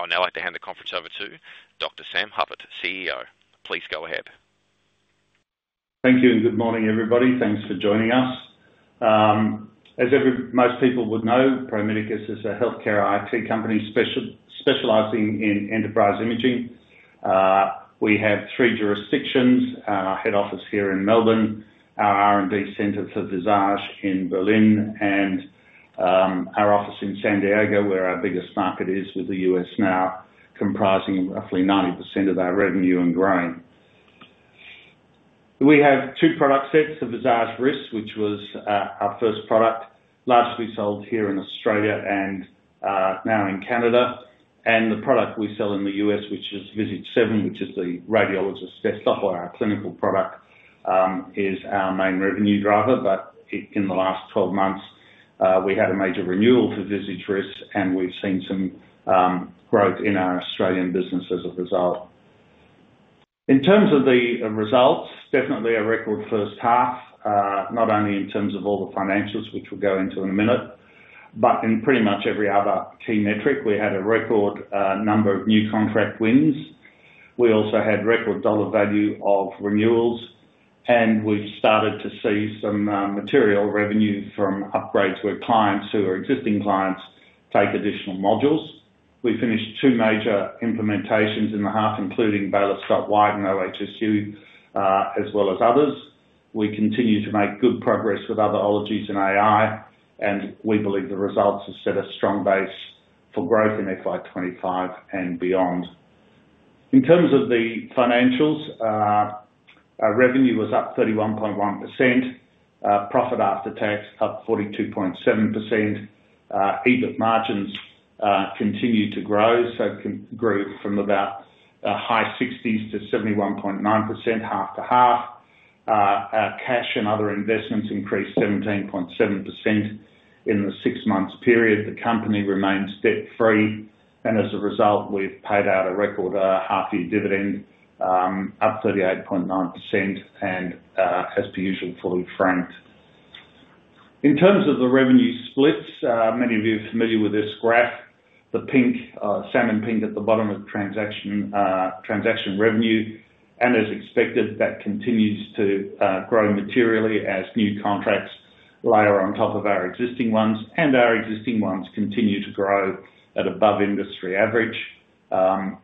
I'll now like to hand the conference over to Dr. Sam Hupert, CEO. Please go ahead. Thank you and good morning, everybody. Thanks for joining us. As most people would know, Pro Medicus is a healthcare IT company specializing in enterprise imaging. We have three jurisdictions: our head office here in Melbourne, our R&D center for Visage in Berlin, and our office in San Diego, where our biggest market is with the U.S. now, comprising roughly 90% of our revenue and growing. We have two product sets: the Visage RIS, which was our first product, largely sold here in Australia and now in Canada. And the product we sell in the U.S., which is Visage 7, which is the radiologist desktop or our clinical product, is our main revenue driver. But in the last 12 months, we had a major renewal for Visage RIS, and we've seen some growth in our Australian business as a result. In terms of the results, definitely a record first half, not only in terms of all the financials, which we'll go into in a minute, but in pretty much every other key metric. We had a record number of new contract wins. We also had record dollar value of renewals, and we've started to see some material revenue from upgrades where clients who are existing clients take additional modules. We finished two major implementations in the half, including Baylor Scott & White and OHSU, as well as others. We continue to make good progress with other modalities and AI, and we believe the results have set a strong base for growth in FY 2025 and beyond. In terms of the financials, our revenue was up 31.1%. Profit after tax up 42.7%. EBIT margins continued to grow, so grew from about high 60% to 71.9%, half to half. Cash and other investments increased 17.7% in the six-month period. The company remains debt-free, and as a result, we've paid out a record half-year dividend, up 38.9%, and as per usual, fully franked. In terms of the revenue splits, many of you are familiar with this graph. The pink, salmon pink at the bottom of transaction revenue, and as expected, that continues to grow materially as new contracts layer on top of our existing ones, and our existing ones continue to grow at above industry average.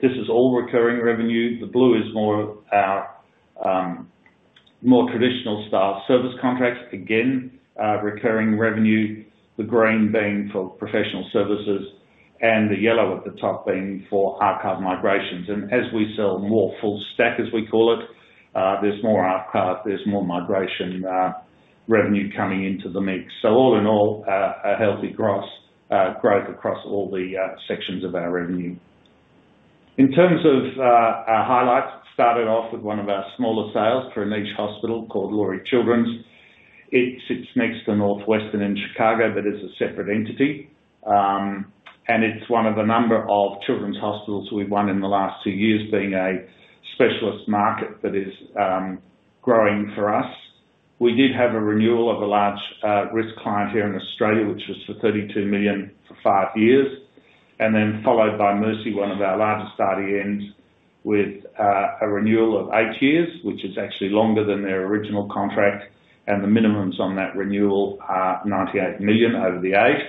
This is all recurring revenue. The blue is more traditional style service contracts, again recurring revenue, the green being for professional services, and the yellow at the top being for archive migrations, and as we sell more full stack, as we call it, there's more archive, there's more migration revenue coming into the mix. So all in all, a healthy gross growth across all the sections of our revenue. In terms of our highlights, we started off with one of our smaller sales for a niche hospital called Lurie Children's. It sits next to Northwestern in Chicago but is a separate entity. And it's one of a number of children's hospitals we've won in the last two years, being a specialist market that is growing for us. We did have a renewal of a large RIS client here in Australia, which was for 32 million for five years, and then followed by Mercy, one of our largest IDNs, with a renewal of eight years, which is actually longer than their original contract. And the minimums on that renewal are 98 million over the eight.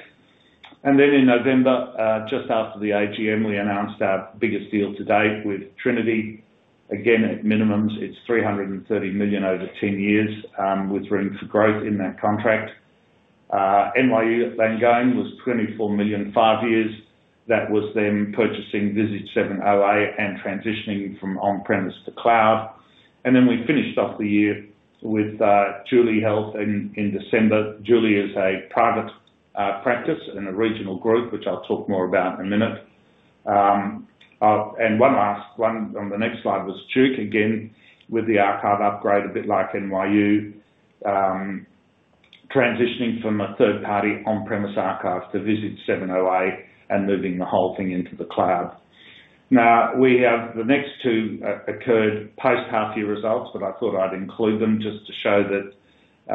And then in November, just after the AGM, we announced our biggest deal to date with Trinity. Again, at minimums, it's $330 million over 10 years, with room for growth in that contract. NYU Langone was $24 million five years. That was them purchasing Visage 7 OA and transitioning from on-premise to cloud. Then we finished off the year with Duly Health in December. Duly is a private practice and a regional group, which I'll talk more about in a minute. One last one on the next slide was Duly, again with the archive upgrade, a bit like NYU, transitioning from a third-party on-premise archive to Visage 7 OA and moving the whole thing into the cloud. Now, the next two occurred post-half-year results, but I thought I'd include them just to show that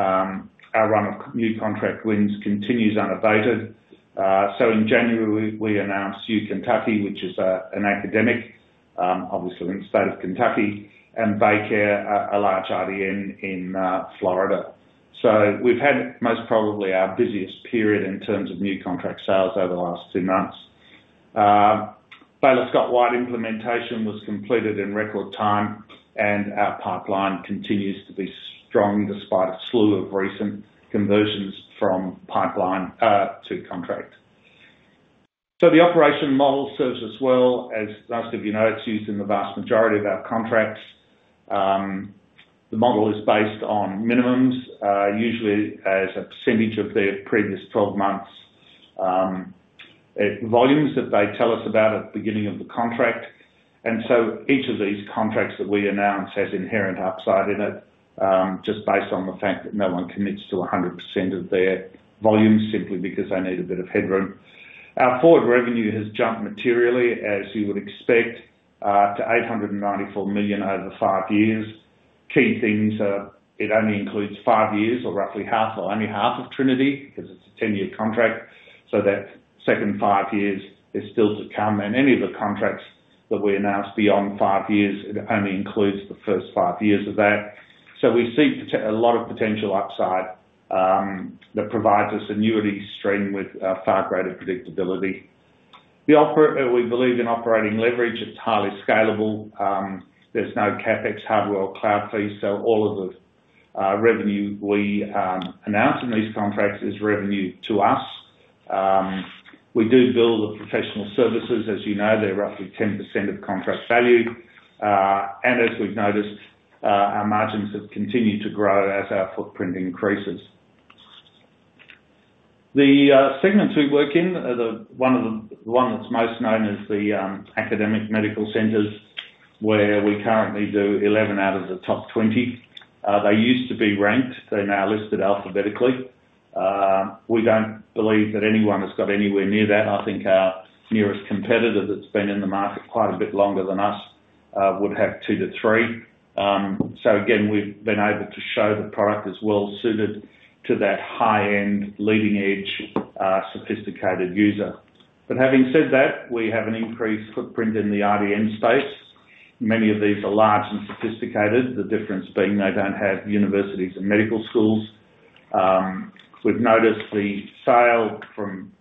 our run of new contract wins continues unabated. In January, we announced U Kentucky, which is an academic, obviously in the state of Kentucky, and BayCare, a large IDN in Florida. We've had most probably our busiest period in terms of new contract sales over the last two months. Baylor Scott & White implementation was completed in record time, and our pipeline continues to be strong despite a slew of recent conversions from pipeline to contract. The operating model serves us well. As most of you know, it's used in the vast majority of our contracts. The model is based on minimums, usually as a percentage of their previous 12 months, volumes that they tell us about at the beginning of the contract. Each of these contracts that we announce has inherent upside in it, just based on the fact that no one commits to 100% of their volumes simply because they need a bit of headroom. Our forward revenue has jumped materially, as you would expect, to 894 million over five years. Key things are it only includes five years or roughly half or only half of Trinity because it's a 10-year contract. So that second five years is still to come. And any of the contracts that we announce beyond five years, it only includes the first five years of that. So we see a lot of potential upside that provides us annuity stream with far greater predictability. We believe in operating leverage. It's highly scalable. There's no CapEx, hardware, or cloud fees. So all of the revenue we announce in these contracts is revenue to us. We do build the professional services. As you know, they're roughly 10% of contract value. And as we've noticed, our margins have continued to grow as our footprint increases. The segments we work in, one of the ones that's most known is the academic medical centers, where we currently do 11 out of the top 20. They used to be ranked. They're now listed alphabetically. We don't believe that anyone has got anywhere near that. I think our nearest competitor that's been in the market quite a bit longer than us would have two to three. So again, we've been able to show the product is well-suited to that high-end, leading-edge, sophisticated user. But having said that, we have an increased footprint in the IDN space. Many of these are large and sophisticated, the difference being they don't have universities and medical schools. We've noticed the sales from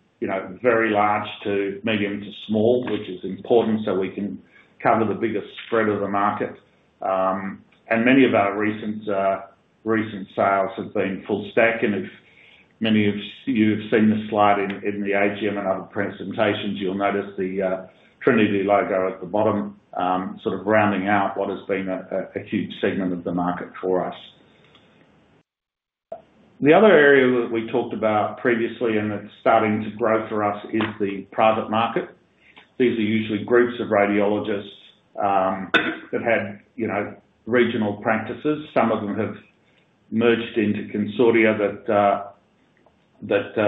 very large to medium to small, which is important so we can cover the biggest spread of the market, and many of our recent sales have been full stack. If many of you have seen the slide in the AGM and other presentations, you'll notice the Trinity logo at the bottom, sort of rounding out what has been a huge segment of the market for us. The other area that we talked about previously, and it's starting to grow for us, is the private market. These are usually groups of radiologists that had regional practices. Some of them have merged into consortia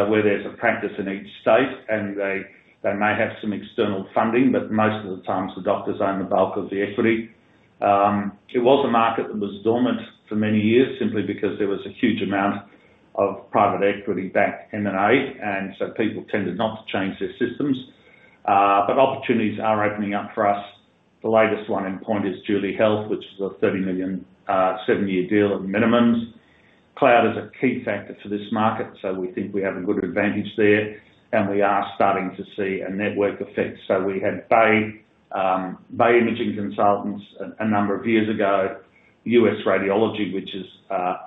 where there's a practice in each state, and they may have some external funding, but most of the time, the doctors own the bulk of the equity. It was a market that was dormant for many years simply because there was a huge amount of private equity back in the 2008, and so people tended not to change their systems. Opportunities are opening up for us. The latest one in point is Duly Health, which is a 30 million seven-year deal at minimums. Cloud is a key factor for this market, so we think we have a good advantage there. We are starting to see a network effect. We had Bay Imaging Consultants a number of years ago, U.S. Radiology, which is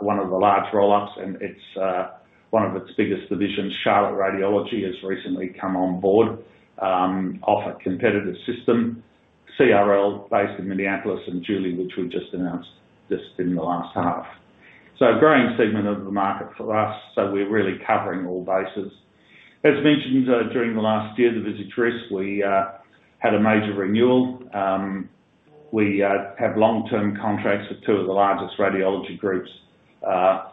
one of the large roll-ups, and it's one of its biggest divisions. Charlotte Radiology has recently come on board off a competitive system, CRL based in Minneapolis and Duly, which we just announced just in the last half. A growing segment of the market for us, so we're really covering all bases. As mentioned during the last year, the Visage RIS, we had a major renewal. We have long-term contracts with two of the largest radiology groups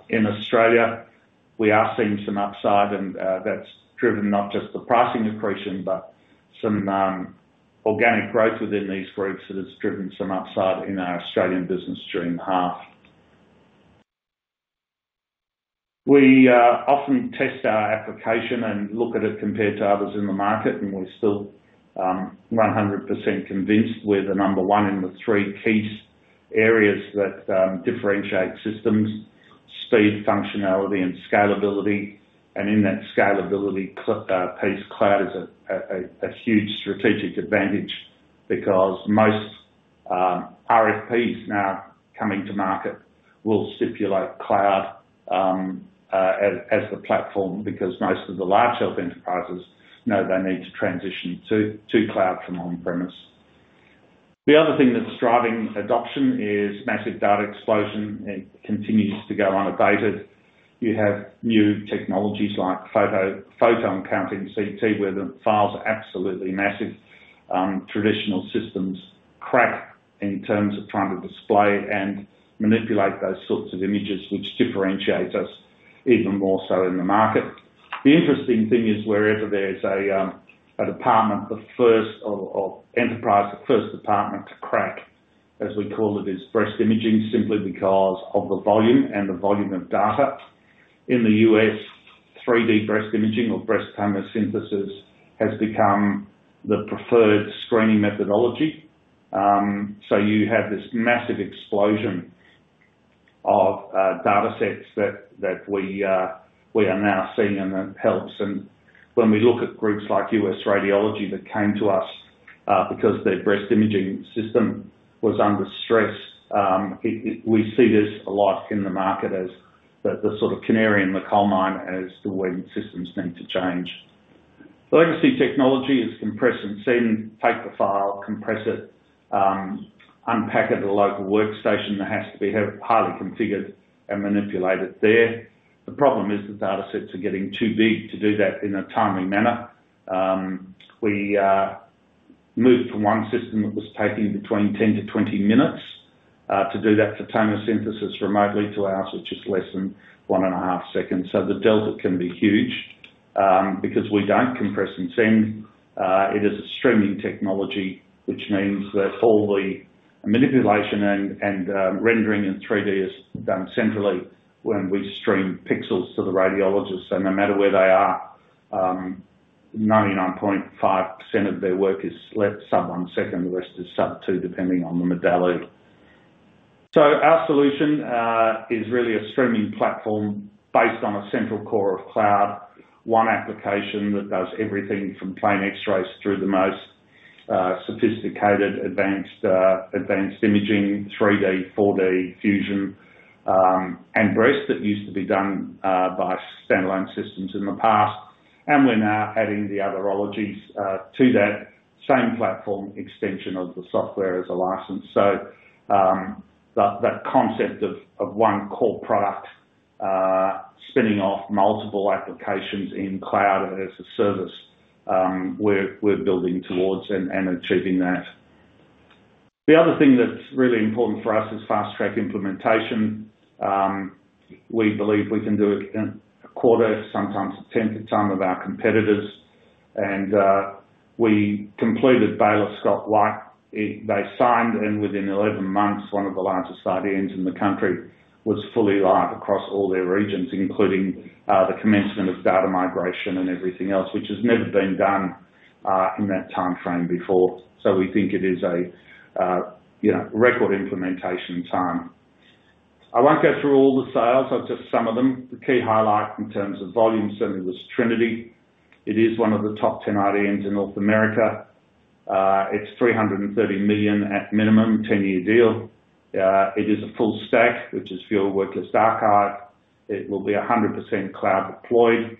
in Australia. We are seeing some upside, and that's driven not just the pricing accretion, but some organic growth within these groups that has driven some upside in our Australian business during the half. We often test our application and look at it compared to others in the market, and we're still 100% convinced we're the number one in the three key areas that differentiate systems: speed, functionality, and scalability, and in that scalability piece, cloud is a huge strategic advantage because most RFPs now coming to market will stipulate cloud as the platform because most of the large health enterprises know they need to transition to cloud from on-premise. The other thing that's driving adoption is massive data explosion. It continues to go unabated. You have new technologies like photon counting CT, where the files are absolutely massive. Traditional systems crack in terms of trying to display and manipulate those sorts of images, which differentiates us even more so in the market. The interesting thing is wherever there is a department, the first or enterprise, the first department to crack, as we call it, is breast imaging simply because of the volume and the volume of data. In the U.S., 3D breast imaging or breast tomosynthesis has become the preferred screening methodology. So you have this massive explosion of data sets that we are now seeing, and it helps. And when we look at groups like U.S. Radiology that came to us because their breast imaging system was under stress, we see this a lot in the market as the sort of canary in the coal mine as to when systems need to change. Legacy technology is compress and send, take the file, compress it, unpack it at a local workstation that has to be highly configured and manipulated there. The problem is the data sets are getting too big to do that in a timely manner. We moved from one system that was taking between 10-20 minutes to do that for tomosynthesis remotely to ours, which is less than one and a half seconds. So the delta can be huge because we don't compress and send. It is a streaming technology, which means that all the manipulation and rendering in 3D is done centrally when we stream pixels to the radiologist. So no matter where they are, 99.5% of their work is left sub one second. The rest is sub two, depending on the modality. Our solution is really a streaming platform based on a central core of cloud, one application that does everything from plain X-rays through the most sophisticated advanced imaging, 3D, 4D, fusion, and breast that used to be done by standalone systems in the past. We're now adding the other modalities to that same platform, extension of the software as a license. That concept of one core product spinning off multiple applications in cloud as a service we're building towards and achieving that. The other thing that's really important for us is fast track implementation. We believe we can do it in a quarter, sometimes a tenth of time of our competitors. We completed Baylor Scott & White. They signed, and within 11 months, one of the largest IDNs in the country was fully live across all their regions, including the commencement of data migration and everything else, which has never been done in that timeframe before. We think it is a record implementation time. I won't go through all the sales. I'll just some of them. The key highlight in terms of volume certainly was Trinity. It is one of the top 10 IDNs in North America. It's $330 million at minimum, 10-year deal. It is a full stack, which is viewer, worklist, archive. It will be 100% cloud deployed.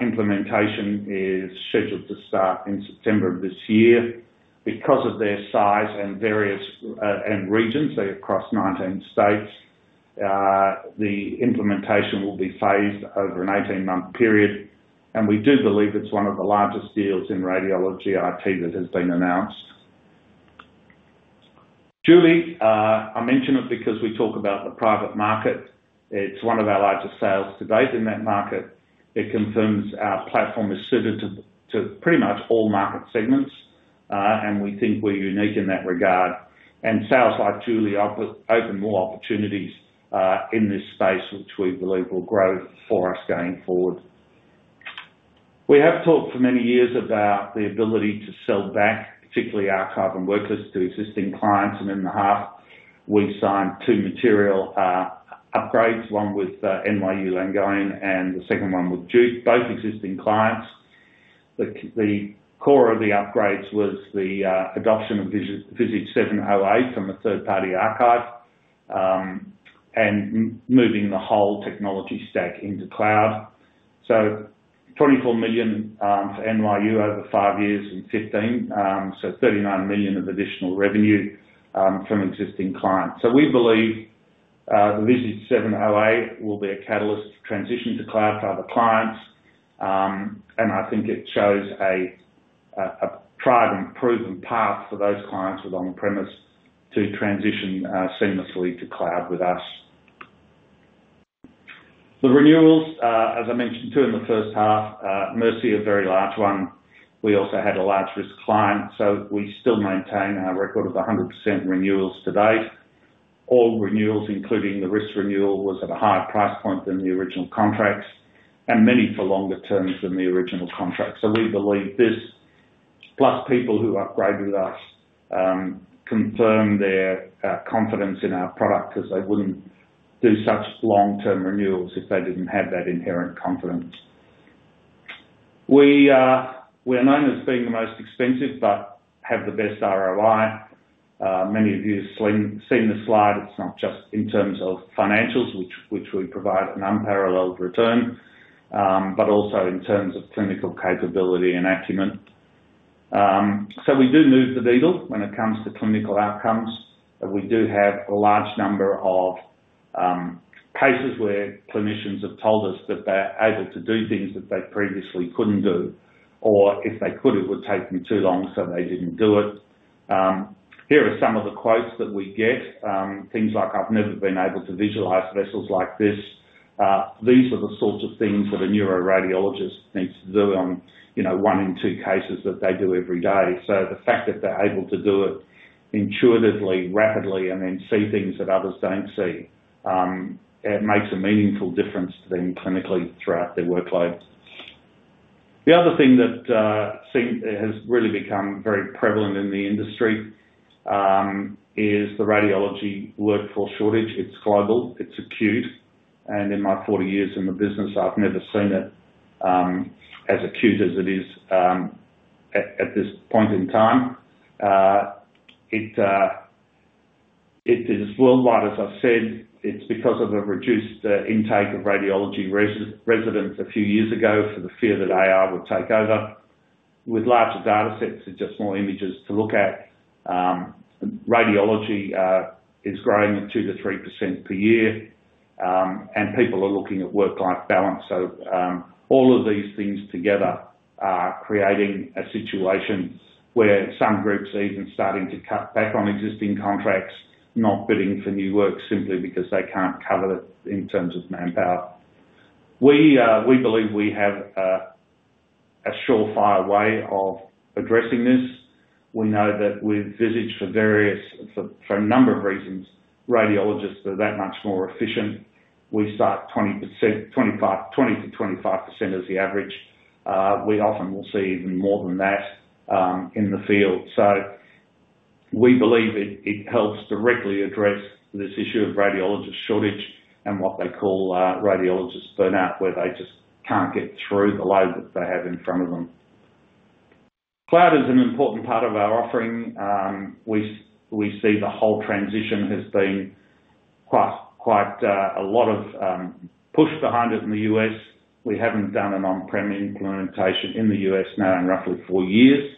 Implementation is scheduled to start in September of this year. Because of their size and regions, they are across 19 states. The implementation will be phased over an 18-month period. We do believe it's one of the largest deals in radiology IT that has been announced. Duly, I mention it because we talk about the private market. It's one of our largest sales to date in that market. It confirms our platform is suited to pretty much all market segments, and we think we're unique in that regard. And sales like Duly open more opportunities in this space, which we believe will grow for us going forward. We have talked for many years about the ability to sell back, particularly archive and worklist to existing clients. And in the half, we signed two material upgrades, one with NYU Langone and the second one with Duke, both existing clients. The core of the upgrades was the adoption of Visage 7 OA from a third-party archive and moving the whole technology stack into cloud. So 24 million for NYU over five years and 15 million, so 39 million of additional revenue from existing clients. So we believe the Visage 7 OA will be a catalyst for transition to cloud for other clients. And I think it shows a tried and proven path for those clients with on-premise to transition seamlessly to cloud with us. The renewals, as I mentioned too in the first half, Mercy are a very large one. We also had a large RIS client. So we still maintain our record of 100% renewals to date. All renewals, including the RIS renewal, was at a higher price point than the original contracts and many for longer terms than the original contracts. So we believe this, plus people who upgraded with us, confirmed their confidence in our product because they wouldn't do such long-term renewals if they didn't have that inherent confidence. We are known as being the most expensive but have the best ROI. Many of you have seen the slide. It's not just in terms of financials, which we provide an unparalleled return, but also in terms of clinical capability and acumen. So we do move the needle when it comes to clinical outcomes. We do have a large number of cases where clinicians have told us that they're able to do things that they previously couldn't do, or if they could, it would take them too long, so they didn't do it. Here are some of the quotes that we get. Things like, "I've never been able to visualize vessels like this." These are the sorts of things that a neuroradiologist needs to do on one in two cases that they do every day. The fact that they're able to do it intuitively, rapidly, and then see things that others don't see, it makes a meaningful difference to them clinically throughout their workload. The other thing that has really become very prevalent in the industry is the radiology workforce shortage. It's global. It's acute. In my 40 years in the business, I've never seen it as acute as it is at this point in time. It is worldwide, as I said. It's because of a reduced intake of radiology residents a few years ago for the fear that AI would take over. With larger data sets, there are just more images to look at. Radiology is growing at 2%-3% per year, and people are looking at work-life balance. So all of these things together are creating a situation where some groups are even starting to cut back on existing contracts, not bidding for new work simply because they can't cover it in terms of manpower. We believe we have a surefire way of addressing this. We know that with Visage, for various reasons, radiologists are that much more efficient. We start 20%-25% as the average. We often will see even more than that in the field. So we believe it helps directly address this issue of radiologist shortage and what they call radiologist burnout, where they just can't get through the load that they have in front of them. Cloud is an important part of our offering. We see the whole transition has been quite a lot of push behind it in the U.S. We haven't done an on-prem implementation in the U.S. now in roughly four years.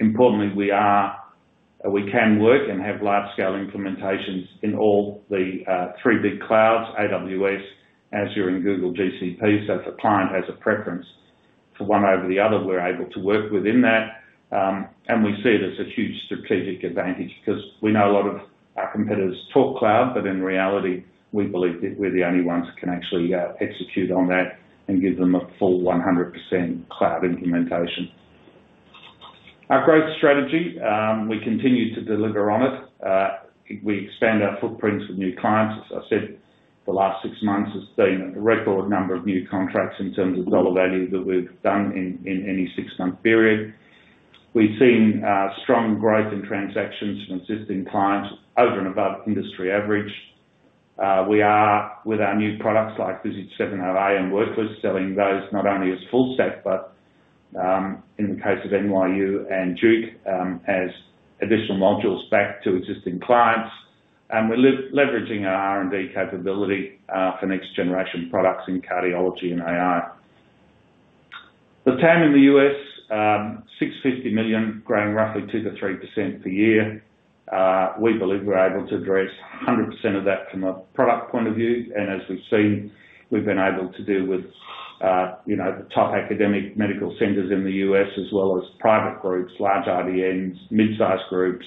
Importantly, we can work and have large-scale implementations in all the three big clouds: AWS, Azure, and Google GCP. So if a client has a preference for one over the other, we're able to work within that. And we see it as a huge strategic advantage because we know a lot of our competitors talk cloud, but in reality, we believe that we're the only ones that can actually execute on that and give them a full 100% cloud implementation. Our growth strategy, we continue to deliver on it. We expand our footprints with new clients. As I said, the last six months has been a record number of new contracts in terms of dollar value that we've done in any six-month period. We've seen strong growth in transactions from existing clients over and above industry average. We are, with our new products like Visage 7 OA and worklist, selling those not only as full stack, but in the case of NYU and Duke, as additional modules back to existing clients, and we're leveraging our R&D capability for next-generation products in cardiology and AI. The TAM in the U.S., 650 million, growing roughly 2%-3% per year. We believe we're able to address 100% of that from a product point of view, and as we've seen, we've been able to deal with the top academic medical centers in the U.S., as well as private groups, large IDNs, mid-size groups,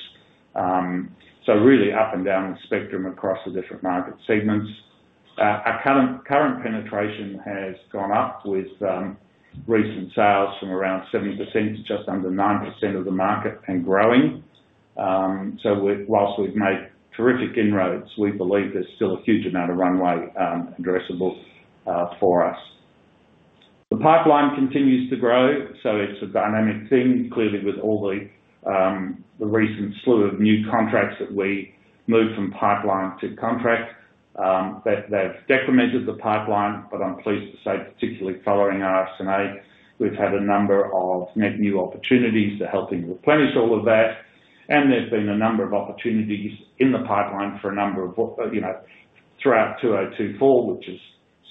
so really up and down the spectrum across the different market segments. Our current penetration has gone up with recent sales from around 70% to just under 9% of the market and growing. So while we've made terrific inroads, we believe there's still a huge amount of runway addressable for us. The pipeline continues to grow, so it's a dynamic thing, clearly with all the recent slew of new contracts that we moved from pipeline to contract. They've decremented the pipeline, but I'm pleased to say, particularly following RSNA, we've had a number of net new opportunities to helping replenish all of that. And there's been a number of opportunities in the pipeline for a number of throughout 2024, which is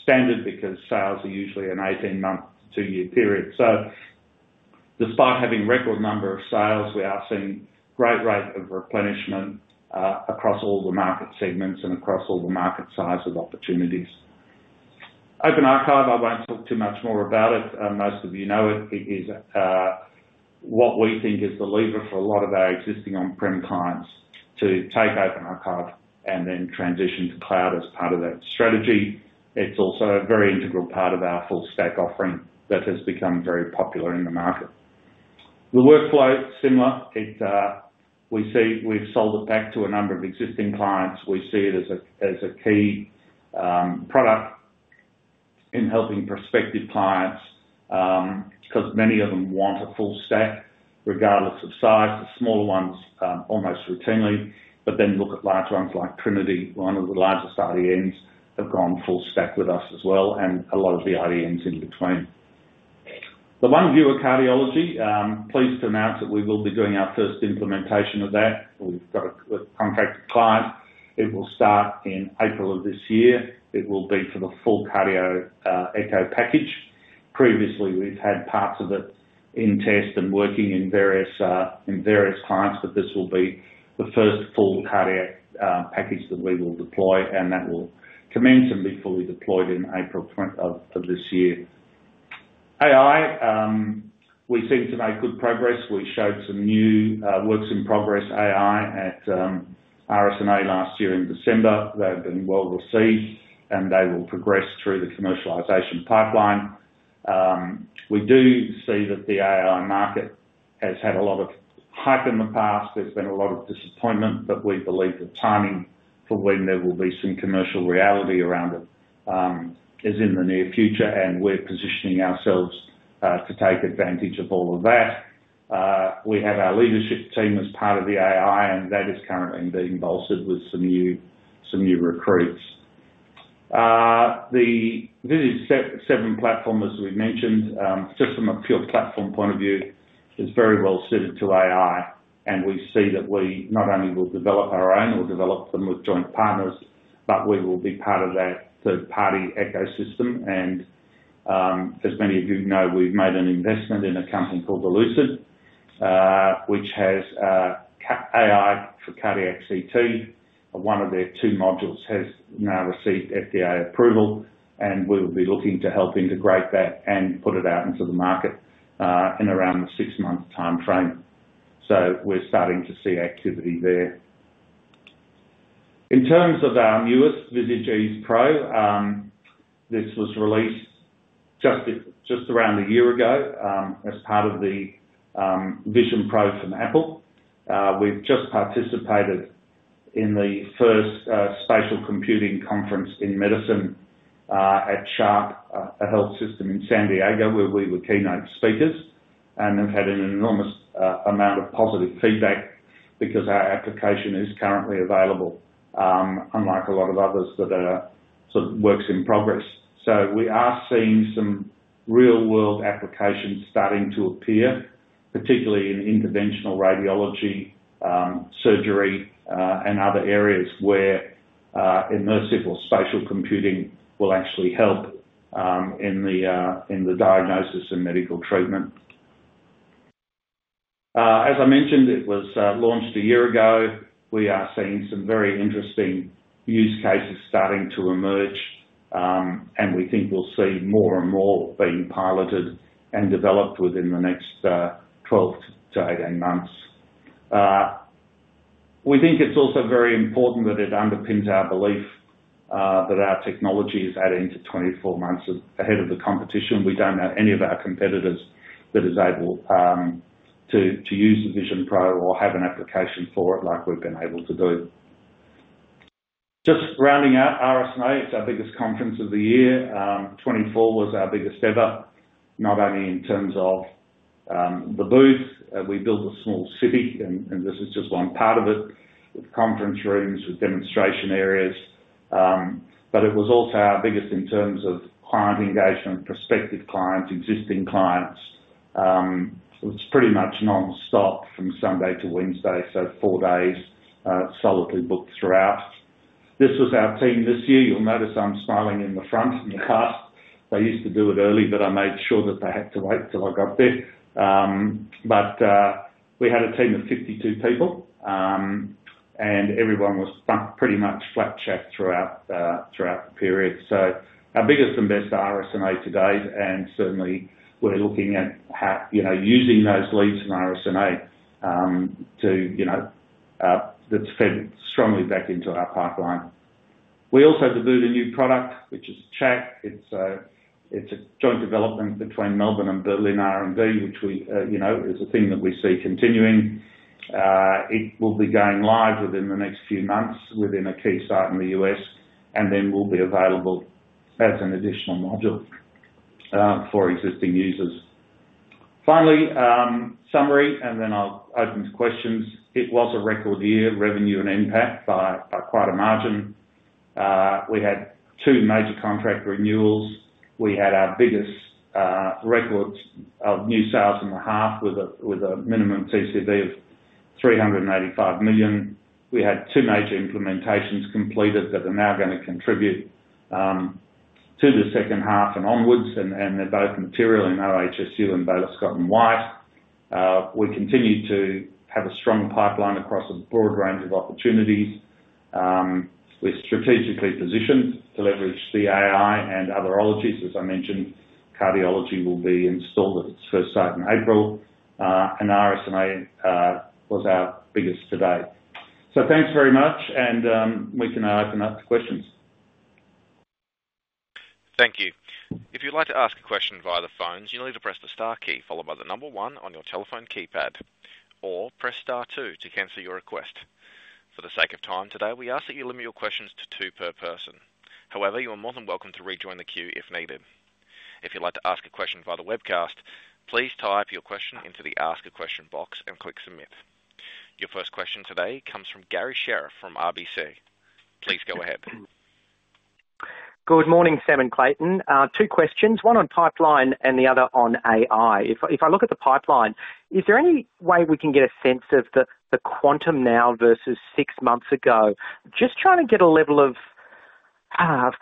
standard because sales are usually an 18-month to 2-year period. So despite having a record number of sales, we are seeing a great rate of replenishment across all the market segments and across all the market size of opportunities. Open Archive, I won't talk too much more about it. Most of you know it. It is what we think is the lever for a lot of our existing on-prem clients to take Open Archive and then transition to cloud as part of that strategy. It's also a very integral part of our full stack offering that has become very popular in the market. The workflow is similar. We've sold it back to a number of existing clients. We see it as a key product in helping prospective clients because many of them want a full stack, regardless of size. The smaller ones almost routinely, but then look at large ones like Trinity. One of the largest IDNs have gone full stack with us as well, and a lot of the IDNs in between. The one view of cardiology, pleased to announce that we will be doing our first implementation of that. We've got a contract client. It will start in April of this year. It will be for the full cardio echo package. Previously, we've had parts of it in test and working in various clients, but this will be the first full cardiac package that we will deploy, and that will commence and be fully deployed in April of this year. AI, we seem to make good progress. We showed some new works in progress AI at RSNA last year in December. They've been well received, and they will progress through the commercialization pipeline. We do see that the AI market has had a lot of hype in the past. There's been a lot of disappointment, but we believe the timing for when there will be some commercial reality around it is in the near future, and we're positioning ourselves to take advantage of all of that. We have our leadership team as part of the AI, and that is currently being bolstered with some new recruits. The Visage 7 platform, as we mentioned, just from a pure platform point of view, is very well suited to AI, and we see that we not only will develop our own or develop them with joint partners, but we will be part of that third-party ecosystem. And as many of you know, we've made an investment in a company called Elucid, which has AI for cardiac CT. One of their two modules has now received FDA approval, and we will be looking to help integrate that and put it out into the market in around the six-month timeframe. So we're starting to see activity there. In terms of our newest, Visage Ease Pro, this was released just around a year ago as part of the Vision Pro from Apple. We've just participated in the first spatial computing conference in medicine at Sharp, a health system in San Diego, where we were keynote speakers, and have had an enormous amount of positive feedback because our application is currently available, unlike a lot of others that are sort of works in progress, so we are seeing some real-world applications starting to appear, particularly in interventional radiology, surgery, and other areas where immersive or spatial computing will actually help in the diagnosis and medical treatment. As I mentioned, it was launched a year ago. We are seeing some very interesting use cases starting to emerge, and we think we'll see more and more being piloted and developed within the next 12-18 months. We think it's also very important that it underpins our belief that our technology is adding to 24 months ahead of the competition. We don't know any of our competitors that are able to use the Vision Pro or have an application for it like we've been able to do. Just rounding out, RSNA is our biggest conference of the year. 2024 was our biggest ever, not only in terms of the booth. We built a small city, and this is just one part of it, with conference rooms, with demonstration areas. But it was also our biggest in terms of client engagement, prospective clients, existing clients. It was pretty much non-stop from Sunday to Wednesday, so four days solidly booked throughout. This was our team this year. You'll notice I'm smiling in the front in the cast. They used to do it early, but I made sure that they had to wait till I got there. But we had a team of 52 people, and everyone was pretty much flat chat throughout the period. So our biggest and best RSNA to date, and certainly, we're looking at using those leads in RSNA to that has fed strongly back into our pipeline. We also have a new product, which is Chat. It's a joint development between Melbourne and Berlin R&D, which is a thing that we see continuing. It will be going live within the next few months within a key site in the U.S., and then will be available as an additional module for existing users. Finally, summary, and then I'll open to questions. It was a record year, revenue and EBITDA by quite a margin. We had two major contract renewals. We had our biggest record of new sales in the half with a minimum TCV of 385 million. We had two major implementations completed that are now going to contribute to the second half and onwards, and they're both material in our OHSU and Baylor Scott & White. We continue to have a strong pipeline across a broad range of opportunities. We're strategically positioned to leverage the AI and other technologies. As I mentioned, cardiology will be installed at its first site in April, and RSNA was our biggest to date. So thanks very much, and we can now open up to questions. Thank you. If you'd like to ask a question via the phone, you need to press the star key followed by the number one on your telephone keypad, or press star two to cancel your request. For the sake of time today, we ask that you limit your questions to two per person. However, you are more than welcome to rejoin the queue if needed. If you'd like to ask a question via the webcast, please type your question into the ask a question box and click submit. Your first question today comes from Garry Sherriff from RBC. Please go ahead. Good morning, Sam and Clayton. Two questions, one on pipeline and the other on AI. If I look at the pipeline, is there any way we can get a sense of the quantum now versus six months ago? Just trying to get a level of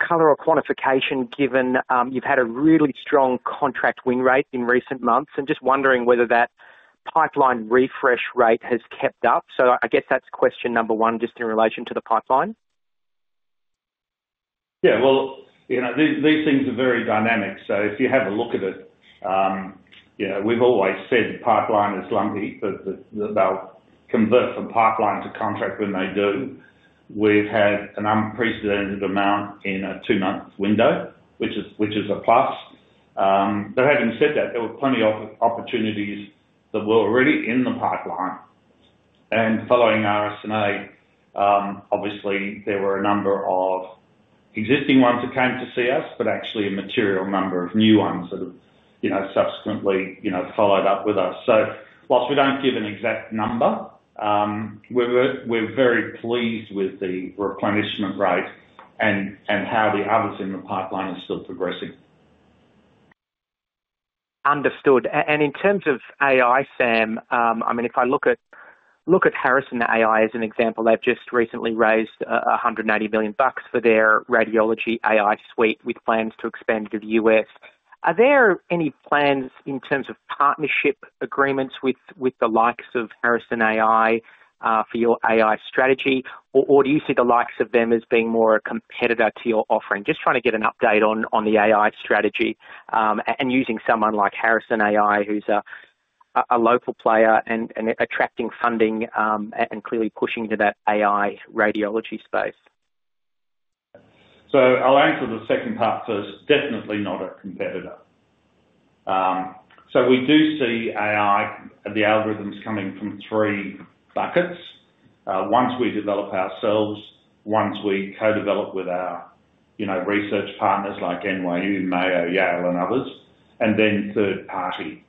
color or quantification given you've had a really strong contract win rate in recent months and just wondering whether that pipeline refresh rate has kept up. So I guess that's question number one just in relation to the pipeline. Yeah. Well, these things are very dynamic, so if you have a look at it, we've always said pipeline is lumpy, but they'll convert from pipeline to contract when they do. We've had an unprecedented amount in a two-month window, which is a plus, but having said that, there were plenty of opportunities that were already in the pipeline, and following RSNA, obviously, there were a number of existing ones that came to see us, but actually a material number of new ones that have subsequently followed up with us. So while we don't give an exact number, we're very pleased with the replenishment rate and how the others in the pipeline are still progressing. Understood and in terms of AI, Sam, I mean, if I look at Harrison.ai as an example, they've just recently raised 180 million bucks for their radiology AI suite with plans to expand to the U.S. Are there any plans in terms of partnership agreements with the likes of Harrison.ai for your AI strategy, or do you see the likes of them as being more a competitor to your offering? Just trying to get an update on the AI strategy and using someone like Harrison.ai, who's a local player and attracting funding and clearly pushing to that AI radiology space. I'll answer the second part first. Definitely not a competitor. We do see AI, the algorithms coming from three buckets. We develop ourselves, we co-develop with our research partners like NYU, Mayo, Yale, and others, and then third party.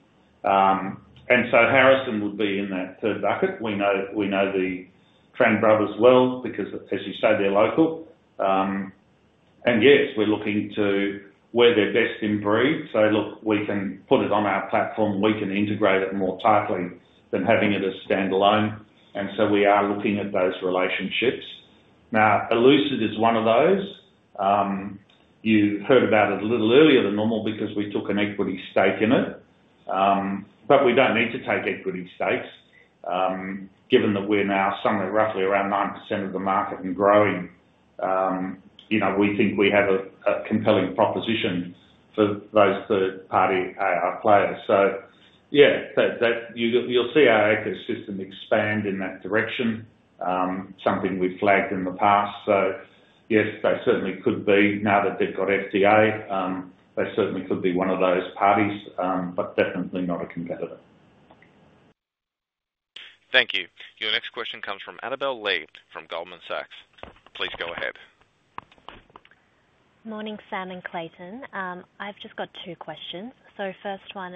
Harrison would be in that third bucket. We know the Tran brothers well because, as you say, they're local. Yes, we're looking to where they're best in breed. Look, we can put it on our platform. We can integrate it more tightly than having it as standalone. We are looking at those relationships. Elucid is one of those. You heard about it a little earlier than normal because we took an equity stake in it. We don't need to take equity stakes given that we're now somewhere roughly around 9% of the market and growing. We think we have a compelling proposition for those third-party AI players. So yeah, you'll see our ecosystem expand in that direction, something we've flagged in the past. So yes, they certainly could be. Now that they've got FDA, they certainly could be one of those parties, but definitely not a competitor. Thank you. Your next question comes from Annabelle Lee from Goldman Sachs. Please go ahead. Good morning, Sam and Clayton. I've just got two questions. So first one,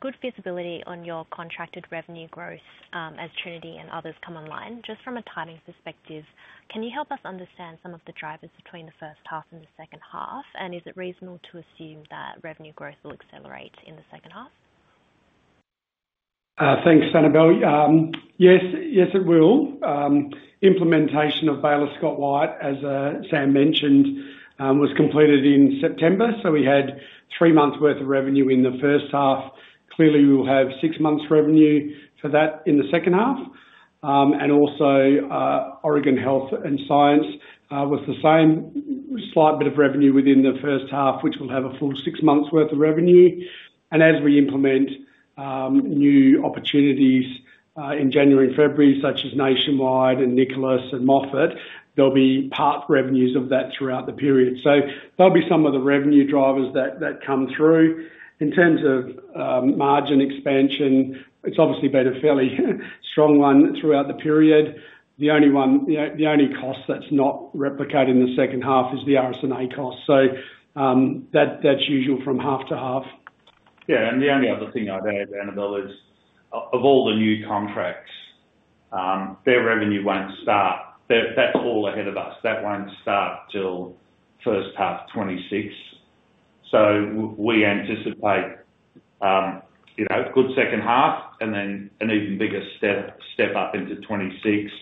good visibility on your contracted revenue growth as Trinity and others come online. Just from a timing perspective, can you help us understand some of the drivers between the first half and the second half? And is it reasonable to assume that revenue growth will accelerate in the second half? Thanks, Annabelle. Yes, it will. Implementation of Baylor Scott & White, as Sam mentioned, was completed in September. So we had three months' worth of revenue in the first half. Clearly, we will have six months' revenue for that in the second half. And also, Oregon Health & Science University was the same slight bit of revenue within the first half, which will have a full six months' worth of revenue. And as we implement new opportunities in January and February, such as Nationwide and Nicklaus and Moffitt, there'll be part revenues of that throughout the period. So there'll be some of the revenue drivers that come through. In terms of margin expansion, it's obviously been a fairly strong one throughout the period. The only cost that's not replicated in the second half is the RSNA cost. So that's usual from half to half. Yeah. And the only other thing I'd add, Annabelle, is of all the new contracts, their revenue won't start. That's all ahead of us. That won't start till first half 2026. So we anticipate a good second half and then an even bigger step up into 2026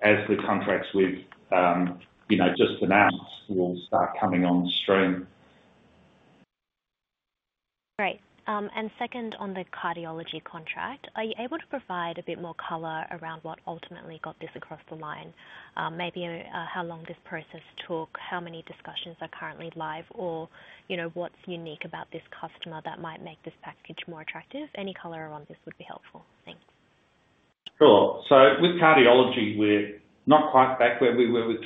as the contracts we've just announced will start coming on stream. Great. And second on the cardiology contract, are you able to provide a bit more color around what ultimately got this across the line? Maybe how long this process took, how many discussions are currently live, or what's unique about this customer that might make this package more attractive? Any color around this would be helpful. Thanks. Sure. So with cardiology, we're not quite back where we were with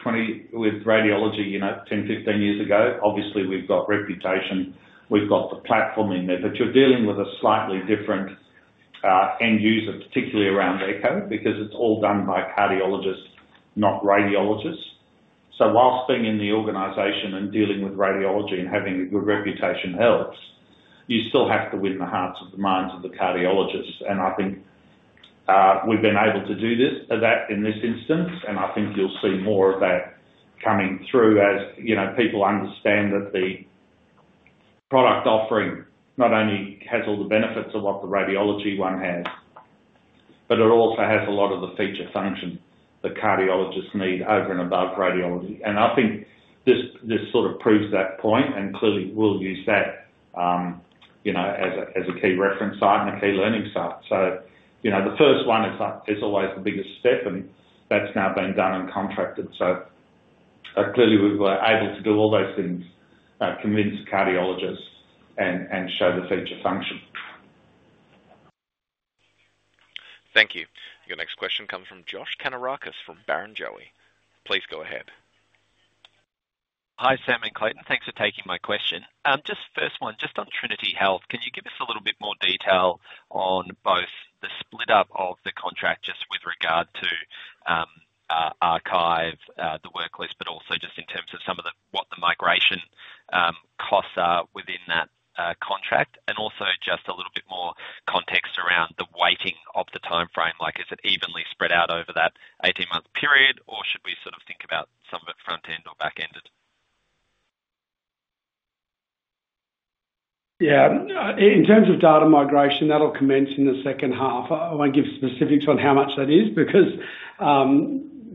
radiology 10, 15 years ago. Obviously, we've got reputation. We've got the platform in there. But you're dealing with a slightly different end user, particularly around echo because it's all done by cardiologists, not radiologists. So while being in the organization and dealing with radiology and having a good reputation helps, you still have to win the hearts and the minds of the cardiologists. And I think we've been able to do this in this instance. And I think you'll see more of that coming through as people understand that the product offering not only has all the benefits of what the radiology one has, but it also has a lot of the feature function that cardiologists need over and above radiology. I think this sort of proves that point and clearly will use that as a key reference site and a key learning site. The first one is always the biggest step, and that's now been done and contracted. Clearly, we were able to do all those things, convince the cardiologists, and show the feature function. Thank you. Your next question comes from Josh Kannourakis from Barrenjoey. Please go ahead. Hi, Sam and Clayton. Thanks for taking my question. Just first one, just on Trinity Health, can you give us a little bit more detail on both the split up of the contract just with regard to archive, the worklist, but also just in terms of what the migration costs are within that contract? And also just a little bit more context around the weighting of the timeframe. Is it evenly spread out over that 18-month period, or should we sort of think about some of it front-end or back-ended? Yeah. In terms of data migration, that'll commence in the second half. I won't give specifics on how much that is because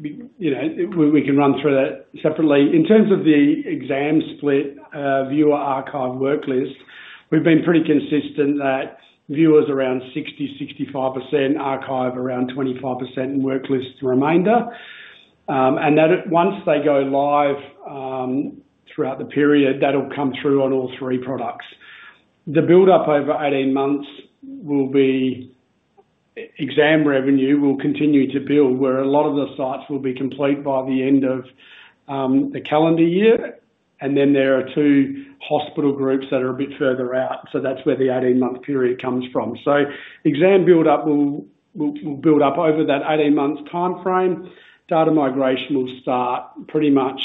we can run through that separately. In terms of the exam split, viewer archive worklist, we've been pretty consistent that viewers around 60%-65%, archive around 25%, and worklist remainder. And once they go live throughout the period, that'll come through on all three products. The build-up over 18 months will be exam revenue will continue to build where a lot of the sites will be complete by the end of the calendar year. And then there are two hospital groups that are a bit further out. So that's where the 18-month period comes from. So exam build-up will build up over that 18-month timeframe. Data migration will start pretty much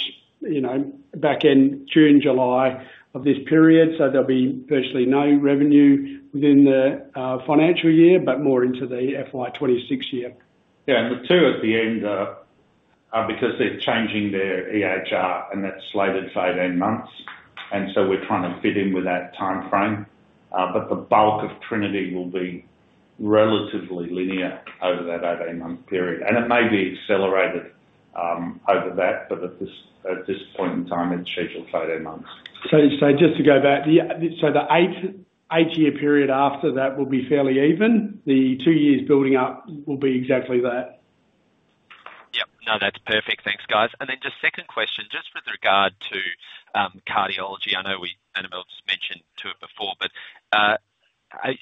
back in June, July of this period. So there'll be virtually no revenue within the financial year, but more into the FY 2026 year. Yeah. And the two at the end are because they're changing their EHR, and that's slated for 18 months. And so we're trying to fit in with that timeframe. But the bulk of Trinity will be relatively linear over that 18-month period. And it may be accelerated over that, but at this point in time, it's scheduled for 18 months. So just to go back, so the eight-year period after that will be fairly even. The two years building up will be exactly that. Yep. No, that's perfect. Thanks, guys. And then just the second question, just with regard to cardiology, I know Annabelle just mentioned it before, but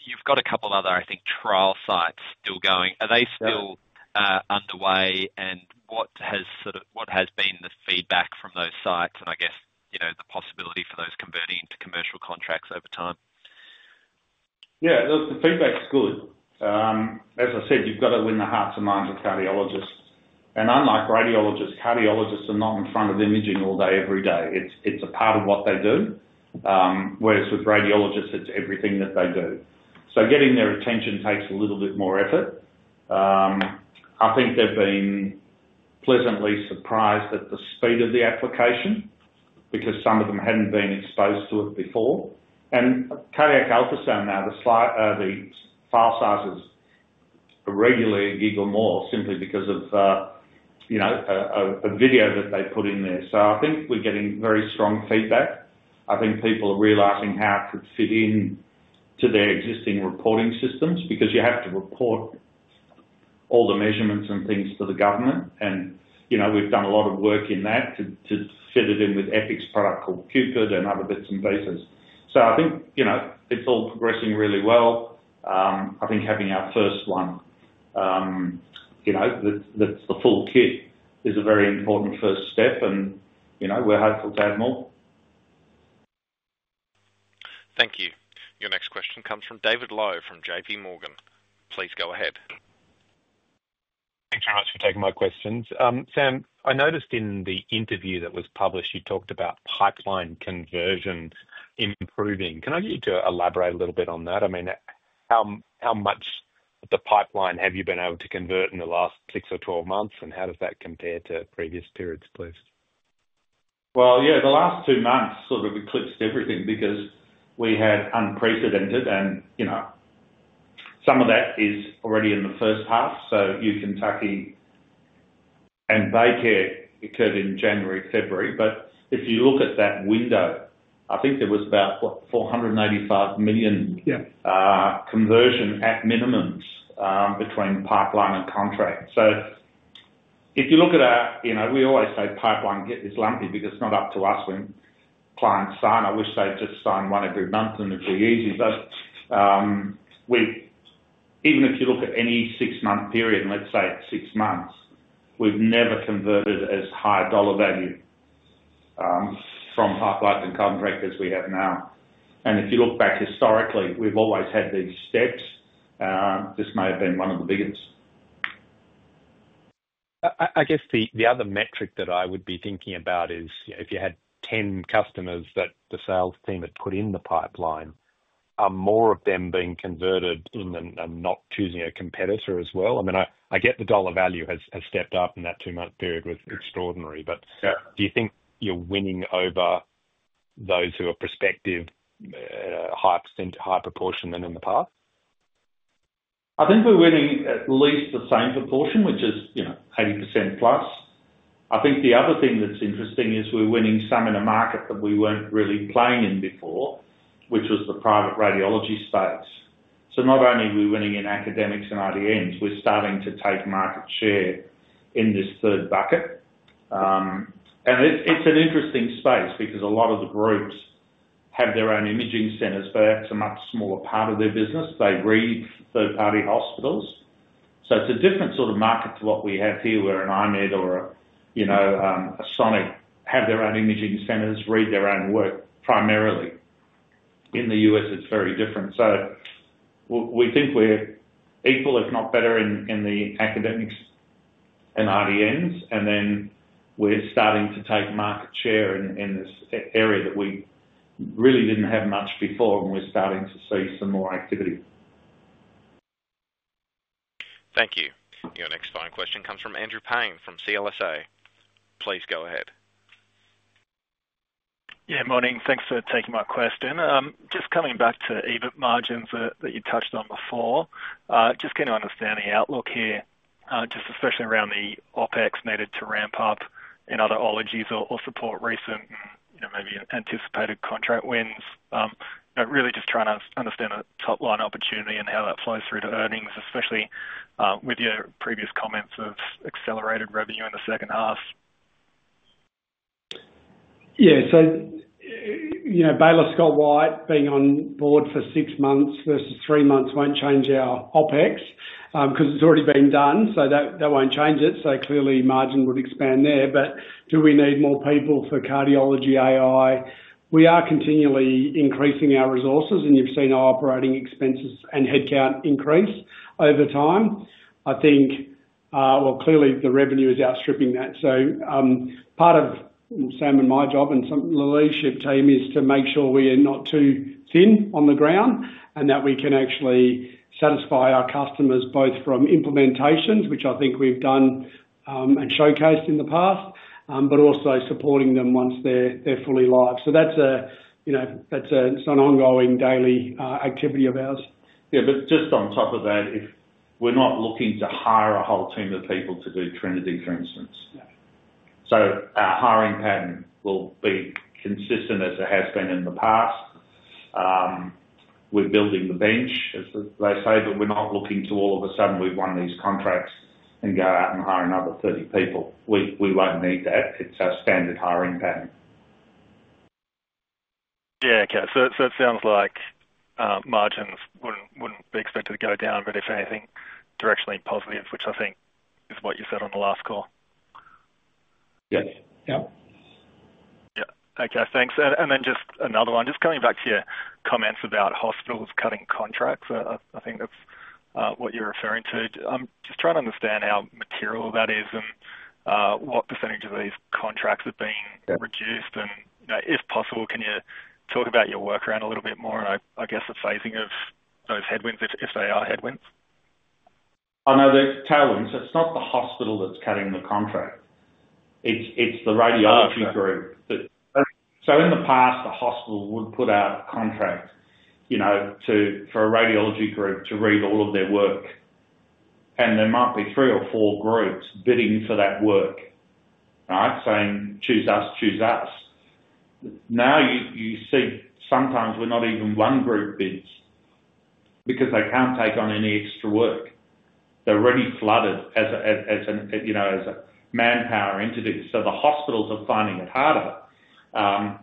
you've got a couple of other, I think, trial sites still going. Are they still underway? And what has been the feedback from those sites? And I guess the possibility for those converting into commercial contracts over time? Yeah. The feedback's good. As I said, you've got to win the hearts and minds of cardiologists. And unlike radiologists, cardiologists are not in front of imaging all day, every day. It's a part of what they do. Whereas with radiologists, it's everything that they do. So getting their attention takes a little bit more effort. I think they've been pleasantly surprised at the speed of the application because some of them hadn't been exposed to it before. And cardiac ultrasound now, the file sizes regularly get larger simply because of a video that they put in there. So I think we're getting very strong feedback. I think people are realizing how to fit in to their existing reporting systems because you have to report all the measurements and things to the government. And we've done a lot of work in that to fit it in with Epic's product called Cupid and other bits and pieces. So I think it's all progressing really well. I think having our first one, the full kit, is a very important first step, and we're hopeful to have more. Thank you. Your next question comes from David Low from JPMorgan. Please go ahead. Thanks very much for taking my questions. Sam, I noticed in the interview that was published, you talked about pipeline conversion improving. Can I get you to elaborate a little bit on that? I mean, how much of the pipeline have you been able to convert in the last six or 12 months, and how does that compare to previous periods, please? Well, yeah, the last two months sort of eclipsed everything because we had unprecedented. And some of that is already in the first half. So U Kentucky and BayCare occurred in January, February. But if you look at that window, I think there was about, what, 485 million conversion at minimum between pipeline and contract. So if you look at it, we always say the pipeline is lumpy because it's not up to us when clients sign. I wish they'd just sign one every month and it'd be easy. But even if you look at any six-month period, let's say six months, we've never converted as high dollar value from pipeline and contract as we have now. And if you look back historically, we've always had these steps. This may have been one of the biggest. I guess the other metric that I would be thinking about is if you had 10 customers that the sales team had put in the pipeline, are more of them being converted and not choosing a competitor as well? I mean, I get the dollar value has stepped up in that two-month period was extraordinary. But do you think you're winning over those who are prospective, high proportion than in the past? I think we're winning at least the same proportion, which is 80%+. I think the other thing that's interesting is we're winning some in a market that we weren't really playing in before, which was the private radiology space. So not only are we winning in academics and IDNs, we're starting to take market share in this third bucket. And it's an interesting space because a lot of the groups have their own imaging centers, but that's a much smaller part of their business. They read third-party hospitals. So it's a different sort of market to what we have here where an I-MED or a Sonic have their own imaging centers, read their own work primarily. In the U.S., it's very different. So we think we're equal, if not better, in the academics and IDNs. And then we're starting to take market share in this area that we really didn't have much before, and we're starting to see some more activity. Thank you. Your next final question comes from Andrew Paine from CLSA. Please go ahead. Yeah. Morning. Thanks for taking my question. Just coming back to EBIT margins that you touched on before, just getting to understand the outlook here, just especially around the OpEx needed to ramp up in other ologies or support recent and maybe anticipated contract wins. Really just trying to understand the top-line opportunity and how that flows through to earnings, especially with your previous comments of accelerated revenue in the second half. Yeah. So Baylor Scott & White being on board for six months versus three months won't change our OpEx because it's already been done. So that won't change it. So clearly, margin would expand there. But do we need more people for cardiology AI? We are continually increasing our resources, and you've seen our operating expenses and headcount increase over time. I think, well, clearly, the revenue is outstripping that. So part of, Sam, and my job and the leadership team is to make sure we are not too thin on the ground and that we can actually satisfy our customers both from implementations, which I think we've done and showcased in the past, but also supporting them once they're fully live. So that's an ongoing daily activity of ours. Yeah. But just on top of that, if we're not looking to hire a whole team of people to do Trinity, for instance, so our hiring pattern will be consistent as it has been in the past. We're building the bench, as they say, but we're not looking to all of a sudden we've won these contracts and go out and hire another 30 people. We won't need that. It's our standard hiring pattern. Yeah. Okay. So it sounds like margins wouldn't be expected to go down, but if anything, directionally positive, which I think is what you said on the last call. Yes. Yep. Yeah. Okay. Thanks. And then just another one. Just coming back to your comments about hospitals cutting contracts, I think that's what you're referring to. I'm just trying to understand how material that is and what percentage of these contracts are being reduced. And if possible, can you talk about your work around a little bit more and I guess the phasing of those headwinds, if they are headwinds? I know there's tailwinds. It's not the hospital that's cutting the contract. It's the radiology group that. So in the past, the hospital would put out a contract for a radiology group to read all of their work. And there might be three or four groups bidding for that work, right, saying, "Choose us, choose us." Now you see sometimes we're not even one group bids because they can't take on any extra work. They're already flooded as a manpower entity. So the hospitals are finding it harder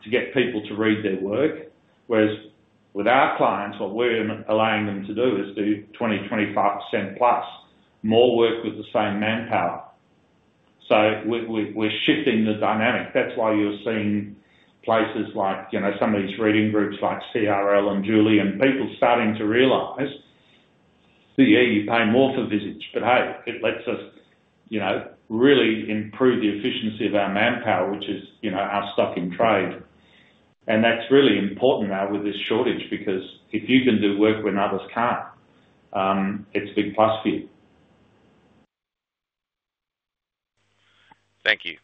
to get people to read their work. Whereas with our clients, what we're allowing them to do is do 20%-25%+ more work with the same manpower. So we're shifting the dynamic. That's why you're seeing places like some of these reading groups like CRL and Julian, people starting to realize that, yeah, you pay more for visits, but hey, it lets us really improve the efficiency of our manpower, which is our stock in trade, and that's really important now with this shortage because if you can do work when others can't, it's a big plus for you. Thank you.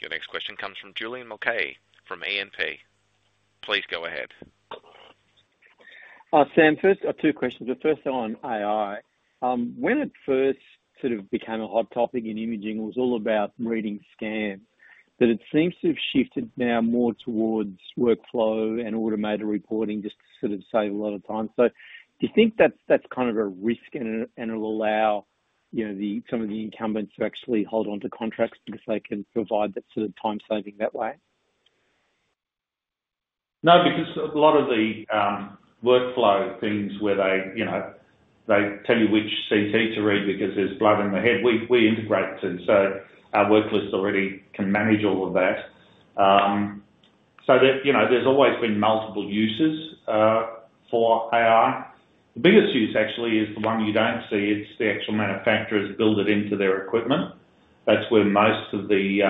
Your next question comes from Julian Mulcahy from E&P. Please go ahead. Sam, first, two questions. The first one on AI. When it first sort of became a hot topic in imaging, it was all about reading scans. But it seems to have shifted now more towards workflow and automated reporting just to sort of save a lot of time. So do you think that's kind of a risk and it'll allow some of the incumbents to actually hold on to contracts because they can provide that sort of time-saving that way? No, because a lot of the workflow things where they tell you which CT to read because there's blood in the head, we integrate to. So our worklist already can manage all of that. So there's always been multiple uses for AI. The biggest use, actually, is the one you don't see. It's the actual manufacturers build it into their equipment. That's where most of the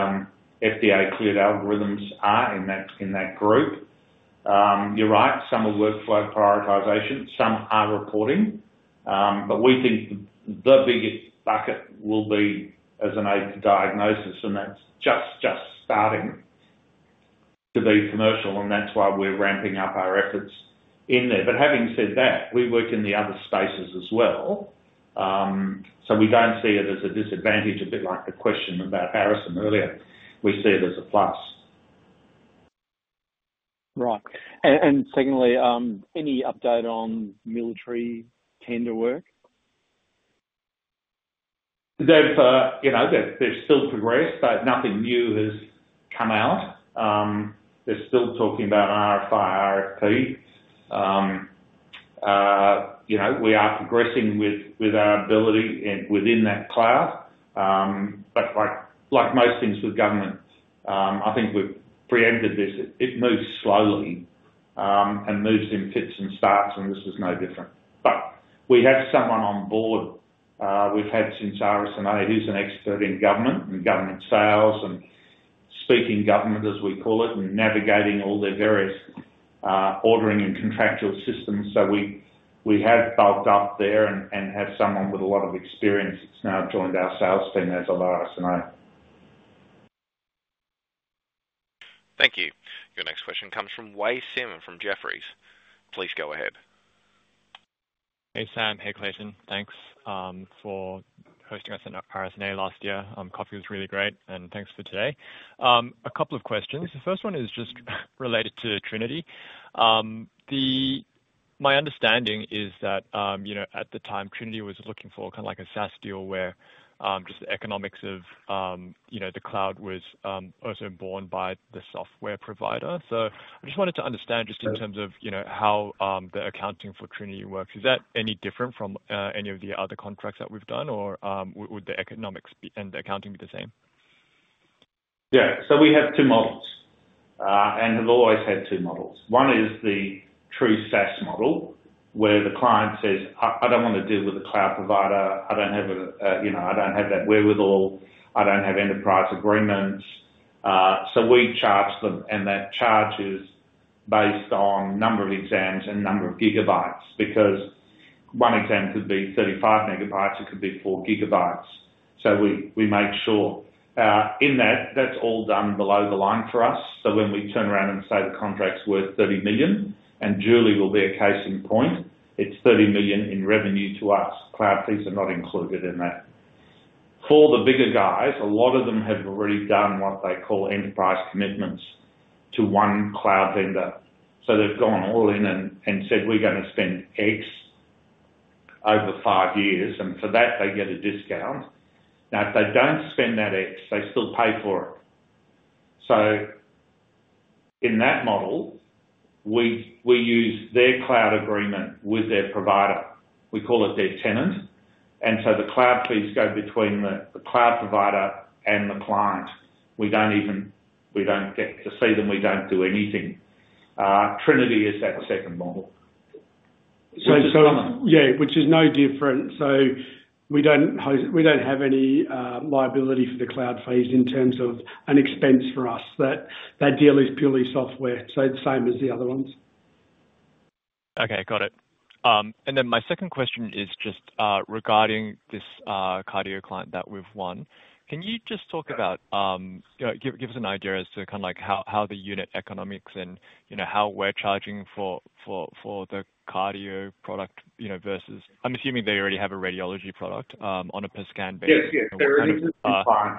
FDA-cleared algorithms are in that group. You're right. Some are workflow prioritization. Some are reporting. But we think the biggest bucket will be as an aid to diagnosis, and that's just starting to be commercial. And that's why we're ramping up our efforts in there. But having said that, we work in the other spaces as well. So we don't see it as a disadvantage, a bit like the question about Harrison earlier. We see it as a plus. Right, and secondly, any update on military tender work? They've still progressed, but nothing new has come out. They're still talking about RFI, RFP. We are progressing with our ability within that cloud. But like most things with government, I think we've preempted this. It moves slowly and moves in fits and starts, and this is no different. But we have someone on board we've had since Harrison.ai, who's an expert in government and government sales and speaking government, as we call it, and navigating all their various ordering and contractual systems. So we have bulked up there and have someone with a lot of experience. It's now joined our sales team as of RSNA. Thank you. Your next question comes from Wei Sim from Jefferies. Please go ahead. Hey, Sam. Hey, Clayton. Thanks for hosting us at RSNA last year. Coffee was really great, and thanks for today. A couple of questions. The first one is just related to Trinity. My understanding is that at the time, Trinity was looking for kind of like a SaaS deal where just the economics of the cloud was also borne by the software provider. So I just wanted to understand just in terms of how the accounting for Trinity works. Is that any different from any of the other contracts that we've done, or would the economics and the accounting be the same? Yeah. So we have two models and have always had two models. One is the true SaaS model where the client says, "I don't want to deal with a cloud provider. I don't have that wherewithal. I don't have enterprise agreements." So we charge them, and that charge is based on number of exams and number of gigabytes because one exam could be 35 Mb. It could be 4 GB. So we make sure in that that's all done below the line for us. So when we turn around and say the contract's worth 30 million, and Duly will be a case in point, it's 30 million in revenue to us. Cloud fees are not included in that. For the bigger guys, a lot of them have already done what they call enterprise commitments to one cloud vendor. So they've gone all in and said, "We're going to spend X over five years." And for that, they get a discount. Now, if they don't spend that X, they still pay for it. So in that model, we use their cloud agreement with their provider. We call it their tenant. And so the cloud fees go between the cloud provider and the client. We don't even get to see them. We don't do anything. Trinity is that second model. So it's similar. Yeah, which is no different. So we don't have any liability for the cloud fees in terms of an expense for us. That deal is purely software, so the same as the other ones. Okay. Got it. And then my second question is just regarding this Cardio client that we've won. Can you just talk about give us an idea as to kind of like how the unit economics and how we're charging for the Cardio product versus I'm assuming they already have a radiology product on a per-scan basis. Yes, yes. They're already per-scan.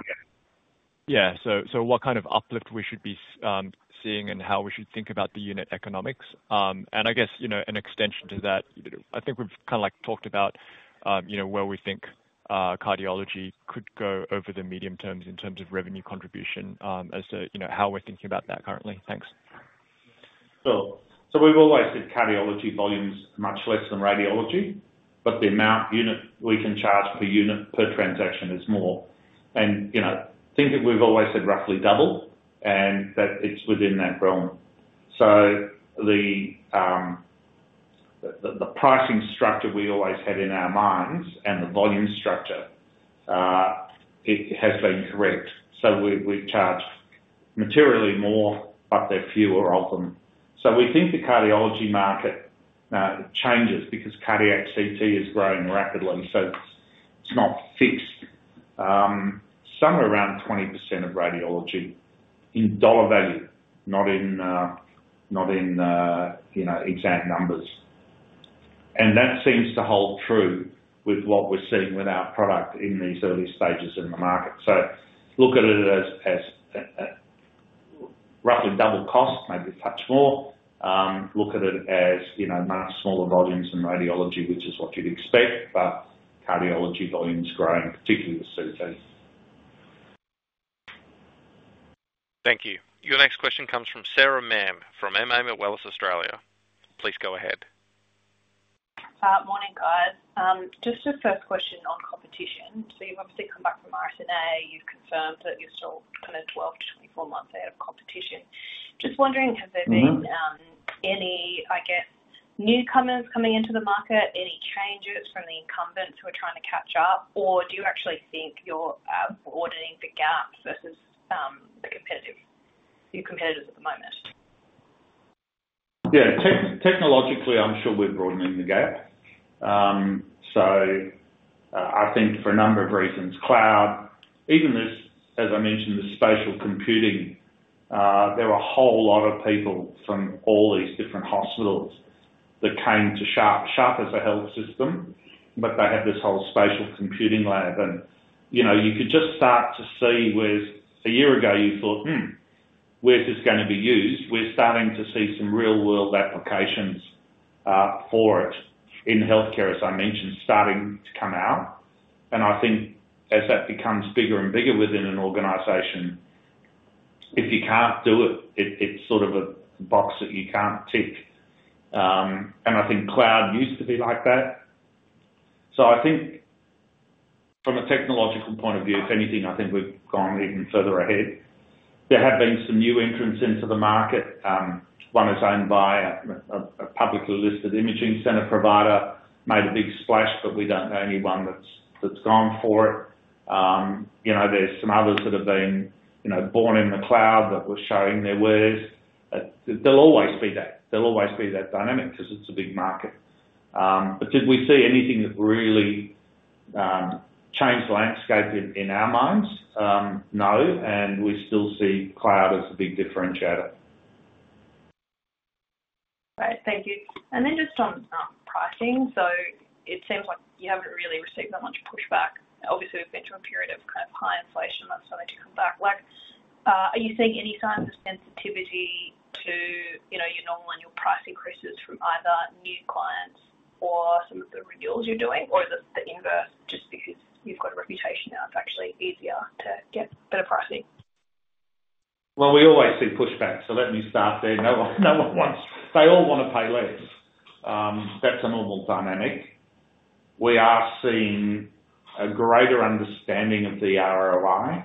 Yeah. So, what kind of uplift should we be seeing and how should we think about the unit economics? I guess an extension to that, I think we've kind of like talked about where we think cardiology could go over the medium term in terms of revenue contribution and as to how we're thinking about that currently. Thanks. So we've always said cardiology volume is much less than radiology, but the amount we can charge per unit per transaction is more. And think that we've always said roughly double and that it's within that realm. So the pricing structure we always had in our minds and the volume structure, it has been correct. So we charge materially more, but there are fewer of them. So we think the cardiology market changes because cardiac CT is growing rapidly. So it's not fixed. Somewhere around 20% of radiology in dollar value, not in exact numbers. And that seems to hold true with what we're seeing with our product in these early stages in the market. So look at it as roughly double cost, maybe touch more. Look at it as much smaller volumes in radiology, which is what you'd expect, but cardiology volume's growing, particularly with CT. Thank you. Your next question comes from Sarah Mann from Moelis Australia. Please go ahead. Morning, guys. Just a first question on competition. So you've obviously come back from RSNA. You've confirmed that you're still kind of 12-24 months out of competition. Just wondering, have there been any, I guess, newcomers coming into the market, any changes from the incumbents who are trying to catch up, or do you actually think you're broadening the gap versus the competitors at the moment? Yeah. Technologically, I'm sure we're broadening the gap. So I think for a number of reasons, cloud, even as I mentioned, the spatial computing, there were a whole lot of people from all these different hospitals that came to Sharp as a health system, but they had this whole spatial computing lab. And you could just start to see where a year ago you thought, "Where's this going to be used?" We're starting to see some real-world applications for it in healthcare, as I mentioned, starting to come out. And I think as that becomes bigger and bigger within an organization, if you can't do it, it's sort of a box that you can't tick. And I think cloud used to be like that. So I think from a technological point of view, if anything, I think we've gone even further ahead. There have been some new entrants into the market. One is owned by a publicly listed imaging center provider, made a big splash, but we don't know anyone that's gone for it. There's some others that have been born in the cloud that were showing their wares. There'll always be that. There'll always be that dynamic because it's a big market. But did we see anything that really changed the landscape in our minds? No, and we still see cloud as a big differentiator. Okay. Thank you. And then just on pricing, so it seems like you haven't really received that much pushback. Obviously, we've been through a period of kind of high inflation. That's starting to come back. Are you seeing any signs of sensitivity to your normal and your price increases from either new clients or some of the renewals you're doing, or is it the inverse just because you've got a reputation now it's actually easier to get better pricing? Well, we always see pushback. So let me start there. No one wants they all want to pay less. That's a normal dynamic. We are seeing a greater understanding of the ROI.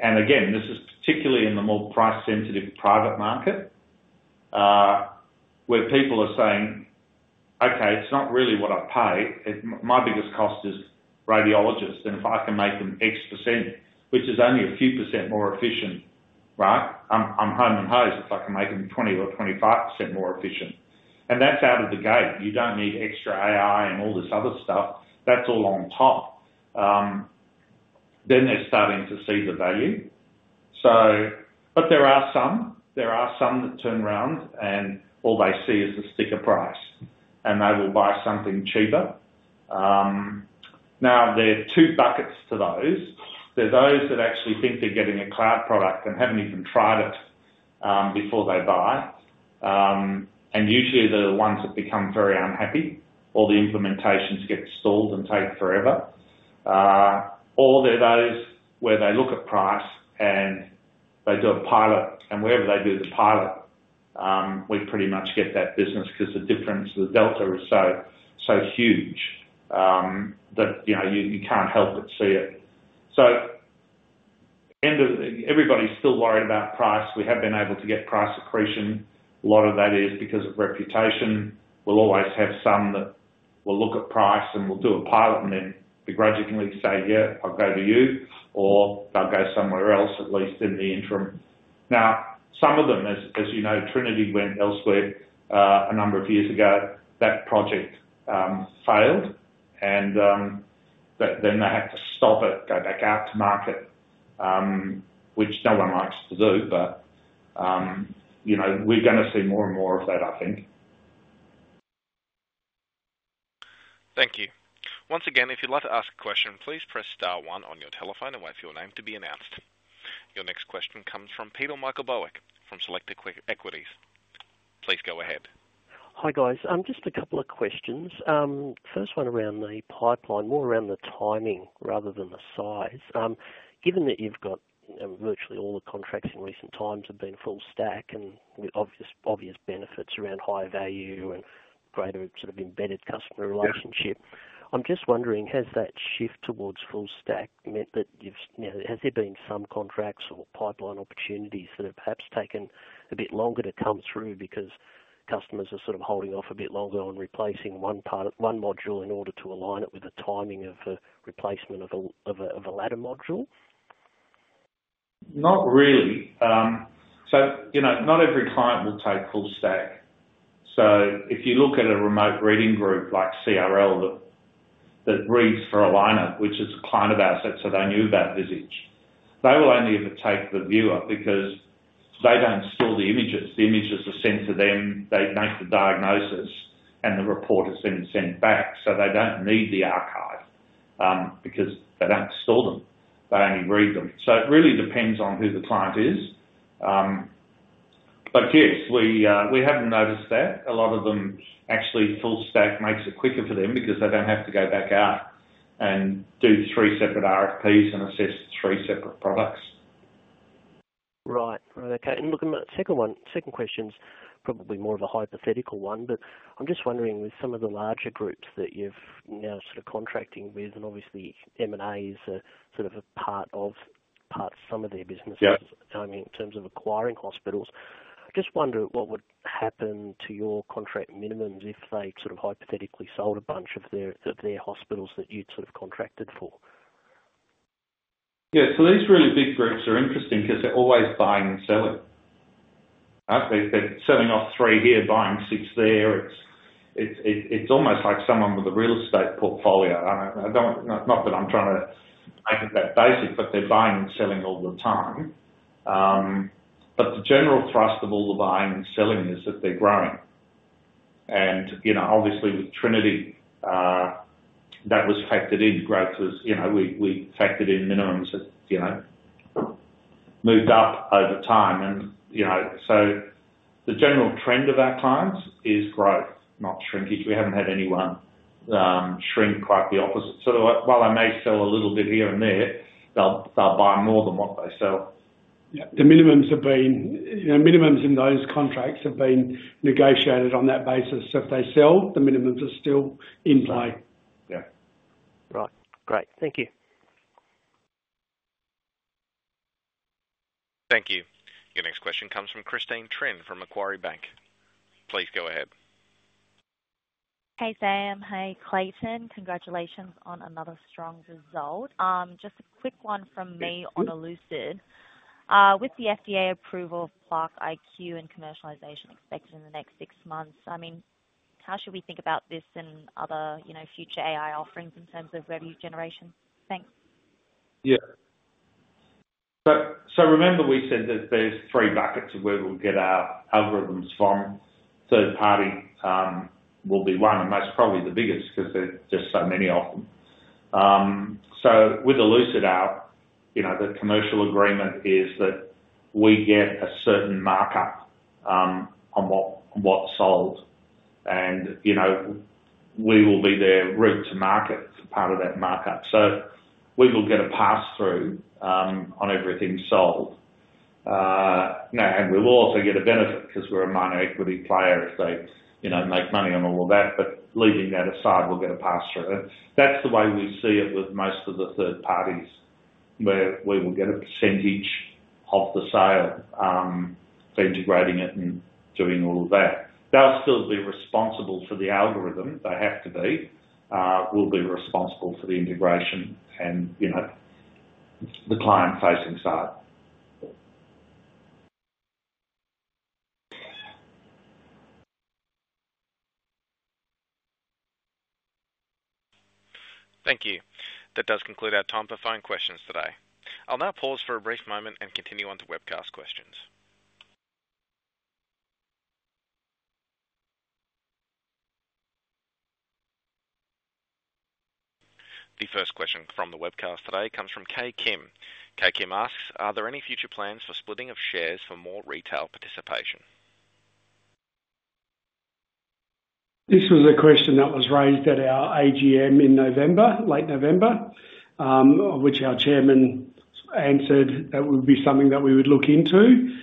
And again, this is particularly in the more price-sensitive private market where people are saying, "Okay, it's not really what I pay. My biggest cost is radiologists. And if I can make them X%, which is only a few% more efficient, right, I'm home and hosed if I can make them 20% or 25% more efficient." And that's out of the gate. You don't need extra AI and all this other stuff. That's all on top. Then they're starting to see the value. But there are some. There are some that turn around, and all they see is the sticker price, and they will buy something cheaper. Now, there are two buckets to those. There are those that actually think they're getting a cloud product and haven't even tried it before they buy. And usually, they're the ones that become very unhappy, or the implementations get stalled and take forever. Or there are those where they look at price and they do a pilot. And wherever they do the pilot, we pretty much get that business because the difference, the delta is so huge that you can't help but see it. So everybody's still worried about price. We have been able to get price accretion. A lot of that is because of reputation. We'll always have some that will look at price and will do a pilot and then begrudgingly say, "Yeah, I'll go to you," or, "I'll go somewhere else at least in the interim." Now, some of them, as you know, Trinity went elsewhere a number of years ago. That project failed, and then they had to stop it, go back out to market, which no one likes to do. But we're going to see more and more of that, I think. Thank you. Once again, if you'd like to ask a question, please press star one on your telephone and wait for your name to be announced. Your next question comes from Peter Meichelboeck from Select Equities. Please go ahead. Hi guys. Just a couple of questions. First one around the pipeline, more around the timing rather than the size. Given that you've got virtually all the contracts in recent times have been full stack and with obvious benefits around higher value and greater sort of embedded customer relationship, I'm just wondering, has that shift towards full stack meant that you've now, has there been some contracts or pipeline opportunities that have perhaps taken a bit longer to come through because customers are sort of holding off a bit longer on replacing one module in order to align it with the timing of a replacement of a latter module? Not really. So not every client will take full stack. So if you look at a remote reading group like CRL that reads for Allina, which is a client of ours, so they knew about Visage. They will only ever take the viewer because they don't store the images. The images are sent to them. They make the diagnosis, and the report is then sent back. So they don't need the archive because they don't store them. They only read them. So it really depends on who the client is. But yes, we haven't noticed that. A lot of them, actually, full stack makes it quicker for them because they don't have to go back out and do three separate RFPs and assess three separate products. Right. Right. Okay. And looking at the second one, second question's probably more of a hypothetical one, but I'm just wondering with some of the larger groups that you've now sort of contracting with, and obviously, M&A is sort of a part of some of their businesses, I mean, in terms of acquiring hospitals. Just wonder what would happen to your contract minimums if they sort of hypothetically sold a bunch of their hospitals that you'd sort of contracted for? Yeah. So these really big groups are interesting because they're always buying and selling. They're selling off three here, buying six there. It's almost like someone with a real estate portfolio. Not that I'm trying to make it that basic, but they're buying and selling all the time. But the general thrust of all the buying and selling is that they're growing. And obviously, with Trinity, that was factored in. Growth was. We factored in minimums that moved up over time. And so the general trend of our clients is growth, not shrinkage. We haven't had anyone shrink, quite the opposite. So while they may sell a little bit here and there, they'll buy more than what they sell. Yeah. The minimums in those contracts have been negotiated on that basis. So if they sell, the minimums are still in play. Yeah. Right. Great. Thank you. Thank you. Your next question comes from Christine Trinh from Macquarie Bank. Please go ahead. Hey, Sam. Hey, Clayton. Congratulations on another strong result. Just a quick one from me on Elucid. With the FDA approval of PlaqueIQ and commercialization expected in the next six months, I mean, how should we think about this and other future AI offerings in terms of revenue generation? Thanks. Yeah, so remember we said that there's three buckets of where we'll get our algorithms from. Third party will be one and most probably the biggest because there's just so many of them, so with Elucid out, the commercial agreement is that we get a certain markup on what's sold. And we will be their route to market for part of that markup, so we will get a pass-through on everything sold. And we will also get a benefit because we're a minor equity player if they make money on all of that. But leaving that aside, we'll get a pass-through. That's the way we see it with most of the third parties where we will get a percentage of the sale for integrating it and doing all of that. They'll still be responsible for the algorithm. They have to be. We'll be responsible for the integration and the client-facing side. Thank you. That does conclude our time for phone questions today. I'll now pause for a brief moment and continue on to webcast questions. The first question from the webcast today comes from Kay Kim. Kay Kim asks, "Are there any future plans for splitting of shares for more retail participation? This was a question that was raised at our AGM in late November, which our chairman answered that would be something that we would look into.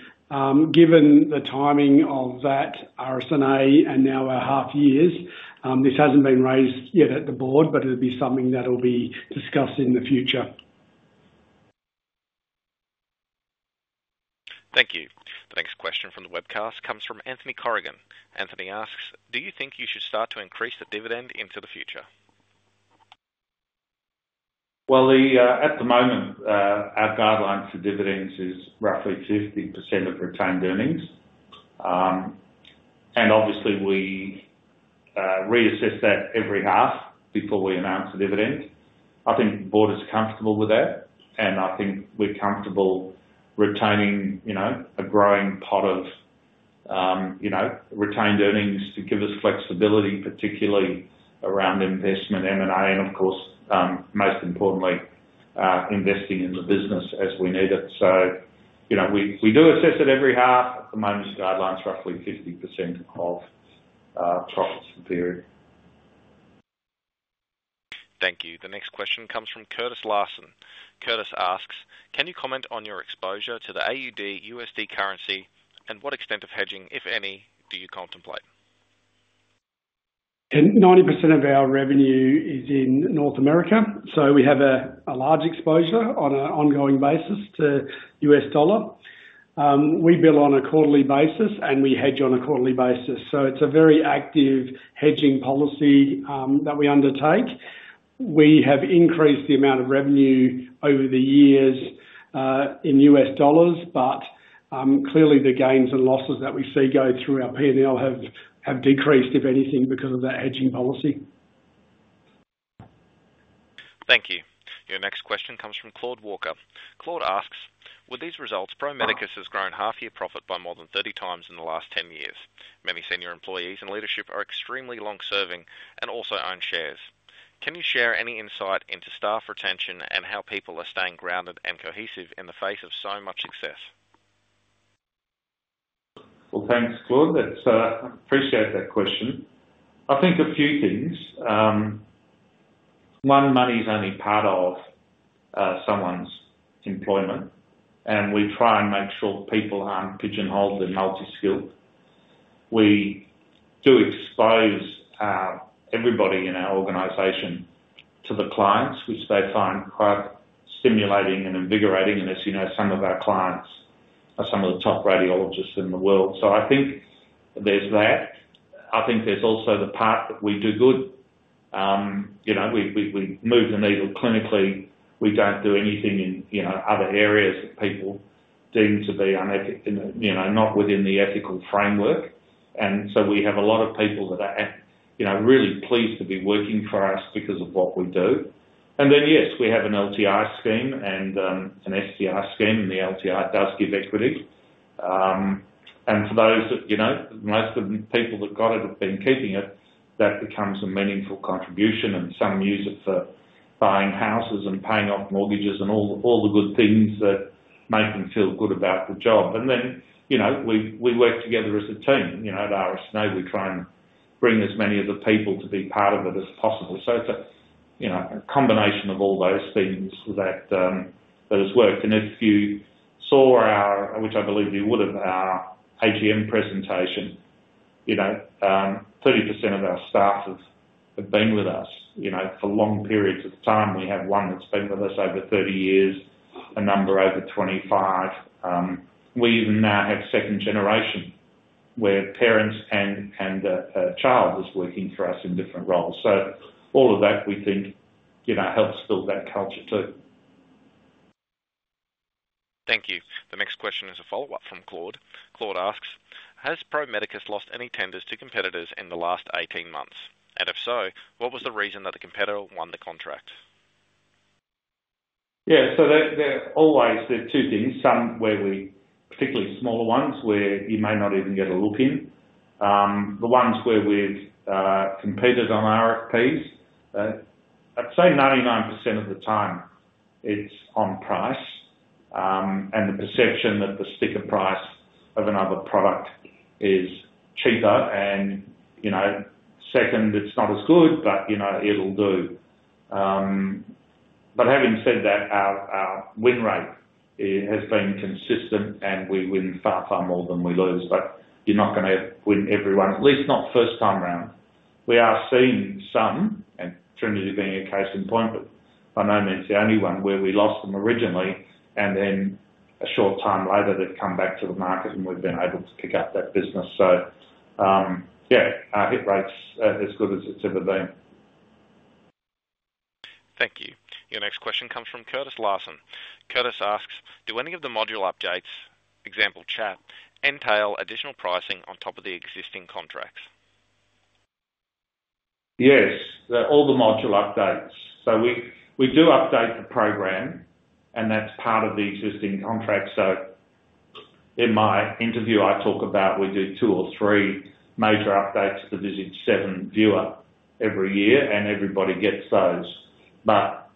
Given the timing of that RSNA and now our half years, this hasn't been raised yet at the board, but it would be something that will be discussed in the future. Thank you. The next question from the webcast comes from Anthony Corrigan. Anthony asks, "Do you think you should start to increase the dividend into the future? At the moment, our guidelines for dividends is roughly 50% of retained earnings. And obviously, we reassess that every half before we announce the dividend. I think the board is comfortable with that. And I think we're comfortable retaining a growing pot of retained earnings to give us flexibility, particularly around investment, M&A, and of course, most importantly, investing in the business as we need it. So we do assess it every half. At the moment, the guideline's roughly 50% of profits per period. Thank you. The next question comes from Curtis Larsen. Curtis asks, "Can you comment on your exposure to the AUD/USD currency and to what extent of hedging, if any, do you contemplate? 90% of our revenue is in North America. So we have a large exposure on an ongoing basis to US dollar. We bill on a quarterly basis, and we hedge on a quarterly basis. So it's a very active hedging policy that we undertake. We have increased the amount of revenue over the years in US dollars, but clearly, the gains and losses that we see go through our P&L have decreased, if anything, because of that hedging policy. Thank you. Your next question comes from Claude Walker. Claude asks, "With these results, Pro Medicus has grown half-year profit by more than 30x in the last 10 years. Many senior employees and leadership are extremely long-serving and also own shares. Can you share any insight into staff retention and how people are staying grounded and cohesive in the face of so much success? Thanks, Claude. I appreciate that question. I think a few things. One, money is only part of someone's employment, and we try and make sure people aren't pigeonholed in multi-skill. We do expose everybody in our organization to the clients, which they find quite stimulating and invigorating. As you know, some of our clients are some of the top radiologists in the world. I think there's that. I think there's also the part that we do good. We move the needle clinically. We don't do anything in other areas that people deem to be not within the ethical framework. We have a lot of people that are really pleased to be working for us because of what we do. Yes, we have an LTI scheme and an STI scheme, and the LTI does give equity. For those that most of the people that got it have been keeping it, that becomes a meaningful contribution. Some use it for buying houses and paying off mortgages and all the good things that make them feel good about the job. Then we work together as a team. At RSNA, we try and bring as many of the people to be part of it as possible. It's a combination of all those things that has worked. If you saw our AGM presentation, which I believe you would have, 30% of our staff have been with us for long periods of time. We have one that's been with us over 30 years, a number over 25. We even now have second generation where parents and a child is working for us in different roles. So all of that, we think, helps build that culture too. Thank you. The next question is a follow-up from Claude. Claude asks, "Has Pro Medicus lost any tenders to competitors in the last 18 months? And if so, what was the reason that the competitor won the contract? Yeah. So always there are two things. Some, where we particularly smaller ones, where you may not even get a look in. The ones where we've competed on RFPs, I'd say 99% of the time, it's on price and the perception that the sticker price of another product is cheaper, and second, it's not as good, but it'll do, but having said that, our win rate has been consistent, and we win far, far more than we lose, but you're not going to win everyone, at least not first time round. We are seeing some, and Trinity being a case in point, but by no means the only one where we lost them originally, and then a short time later, they've come back to the market, and we've been able to pick up that business, so yeah, our hit rate's as good as it's ever been. Thank you. Your next question comes from Curtis Larsen. Curtis asks, "Do any of the module updates, for example chat, entail additional pricing on top of the existing contracts? Yes. All the module updates. So we do update the program, and that's part of the existing contract. So in my interview, I talk about we do two or three major updates to the Visage 7 viewer every year, and everybody gets those. But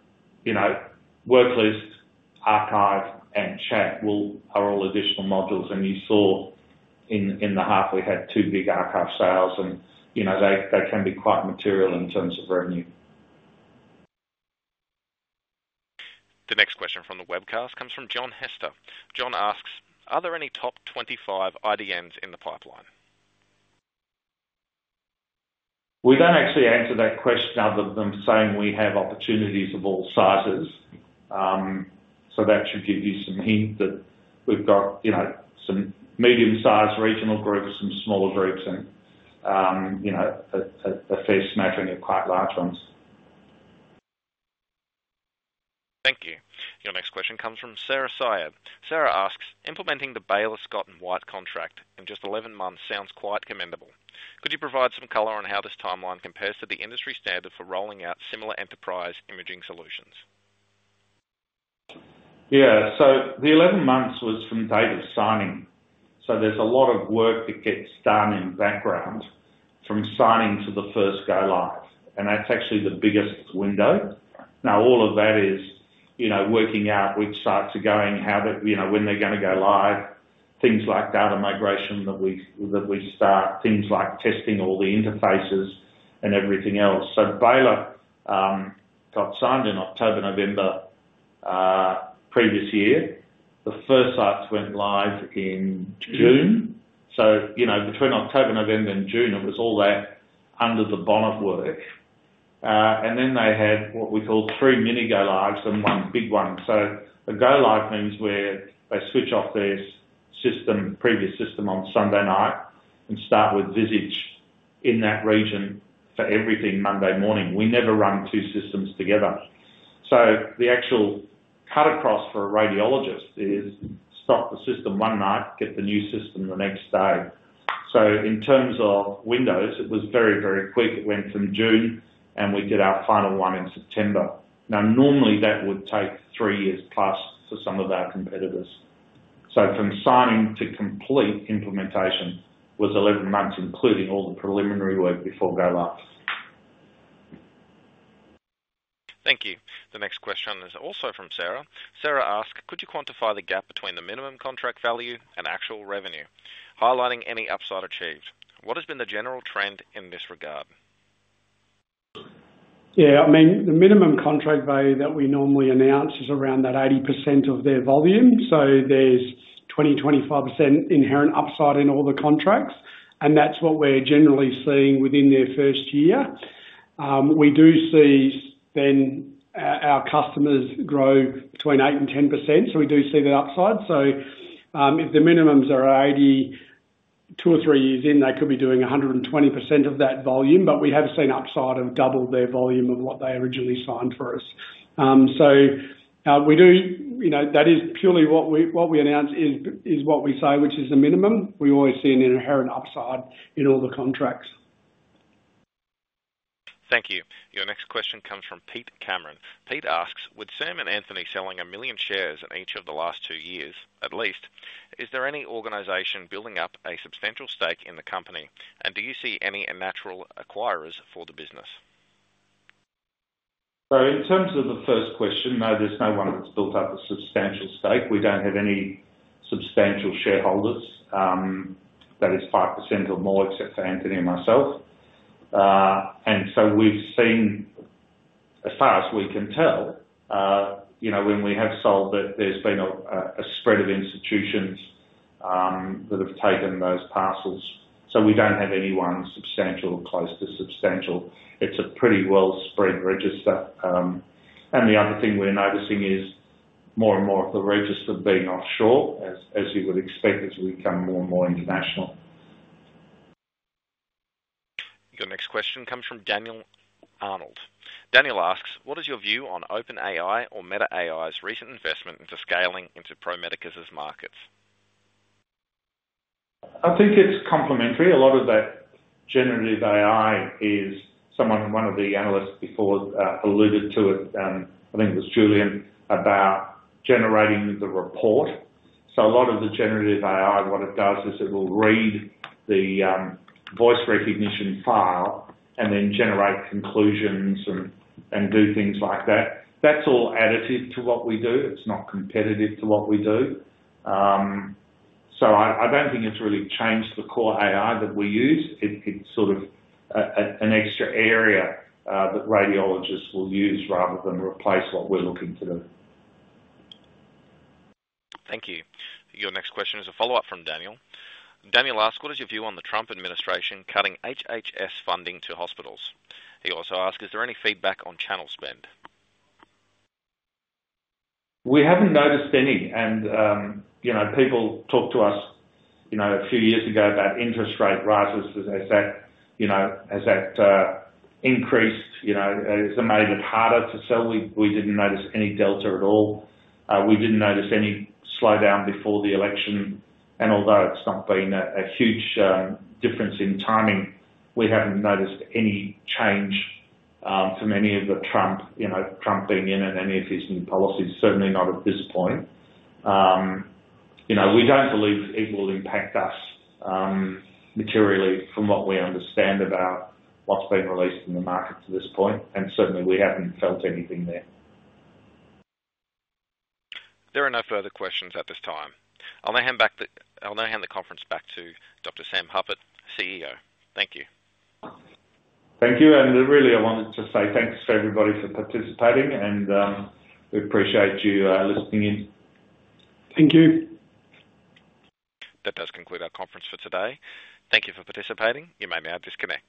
worklist, archive, and chat are all additional modules. And you saw in the half, we had two big archive sales, and they can be quite material in terms of revenue. The next question from the webcast comes from John Hester. John asks, "Are there any top 25 IDNs in the pipeline? We don't actually answer that question other than saying we have opportunities of all sizes, so that should give you some hint that we've got some medium-sized regional groups, some smaller groups, and a fair smattering of quite large ones. Thank you. Your next question comes from Sarah Syed. Sarah asks, "Implementing the Baylor Scott & White contract in just 11 months sounds quite commendable. Could you provide some color on how this timeline compares to the industry standard for rolling out similar enterprise imaging solutions? Yeah. So the 11 months was from date of signing. So there's a lot of work that gets done in the background from signing to the first go live. And that's actually the biggest window. Now, all of that is working out which sites are going, when they're going to go live, things like data migration that we start, things like testing all the interfaces and everything else. So Baylor got signed in October, November previous year. The first sites went live in June. So between October, November, and June, it was all that under the bonnet work. And then they had what we call three mini go-lives and one big one. So a go-live means where they switch off their previous system on Sunday night and start with Visage in that region for everything Monday morning. We never run two systems together. So the actual cut across for a radiologist is stop the system one night, get the new system the next day. So in terms of windows, it was very, very quick. It went from June, and we did our final one in September. Now, normally, that would take 3 years+ for some of our competitors. So from signing to complete implementation was 11 months, including all the preliminary work before go-live. Thank you. The next question is also from Sarah. Sarah asks, "Could you quantify the gap between the minimum contract value and actual revenue, highlighting any upside achieved? What has been the general trend in this regard? Yeah. I mean, the minimum contract value that we normally announce is around that 80% of their volume. So there's 20%-25% inherent upside in all the contracts. And that's what we're generally seeing within their first year. We do see then our customers grow between 8% and 10%. So we do see the upside. So if the minimums are 80%, two or three years in, they could be doing 120% of that volume. But we have seen upside of double their volume of what they originally signed for us. So we do that is purely what we announce is what we say, which is the minimum. We always see an inherent upside in all the contracts. Thank you. Your next question comes from Peter Kempen. Peter asks, "With Sam and Anthony selling 1 million shares in each of the last two years, at least, is there any organization building up a substantial stake in the company? And do you see any natural acquirers for the business? So in terms of the first question, no, there's no one that's built up a substantial stake. We don't have any substantial shareholders. That is 5% or more except for Anthony and myself. And so we've seen, as far as we can tell, when we have sold that there's been a spread of institutions that have taken those parcels. So we don't have anyone substantial or close to substantial. It's a pretty well-spread register. And the other thing we're noticing is more and more of the register being offshore, as you would expect as we become more and more international. Your next question comes from Daniel Arnold. Daniel asks, "What is your view on OpenAI or Meta AI's recent investment into scaling into Pro Medicus's markets? I think it's complementary. A lot of that generative AI is something one of the analysts before alluded to it, I think it was Julian, about generating the report. So a lot of the generative AI, what it does is it will read the voice recognition file and then generate conclusions and do things like that. That's all additive to what we do. It's not competitive to what we do. So I don't think it's really changed the core AI that we use. It's sort of an extra area that radiologists will use rather than replace what we're looking to do. Thank you. Your next question is a follow-up from Daniel. Daniel asks, "What is your view on the Trump administration cutting HHS funding to hospitals?" He also asks, "Is there any feedback on channel spend? We haven't noticed any. People talked to us a few years ago about interest rate rises. As I said, as that increased, as it made it harder to sell, we didn't notice any delta at all. We didn't notice any slowdown before the election. Although it's not been a huge difference in timing, we haven't noticed any change from any of the Trump being in and any of his new policies, certainly not at this point. We don't believe it will impact us materially from what we understand about what's been released in the market to this point. Certainly, we haven't felt anything there. There are no further questions at this time. I'll now hand the conference back to Dr. Sam Hupert, CEO. Thank you. Thank you, and really, I wanted to say thanks to everybody for participating, and we appreciate you listening in. Thank you. That does conclude our conference for today. Thank you for participating. You may now disconnect.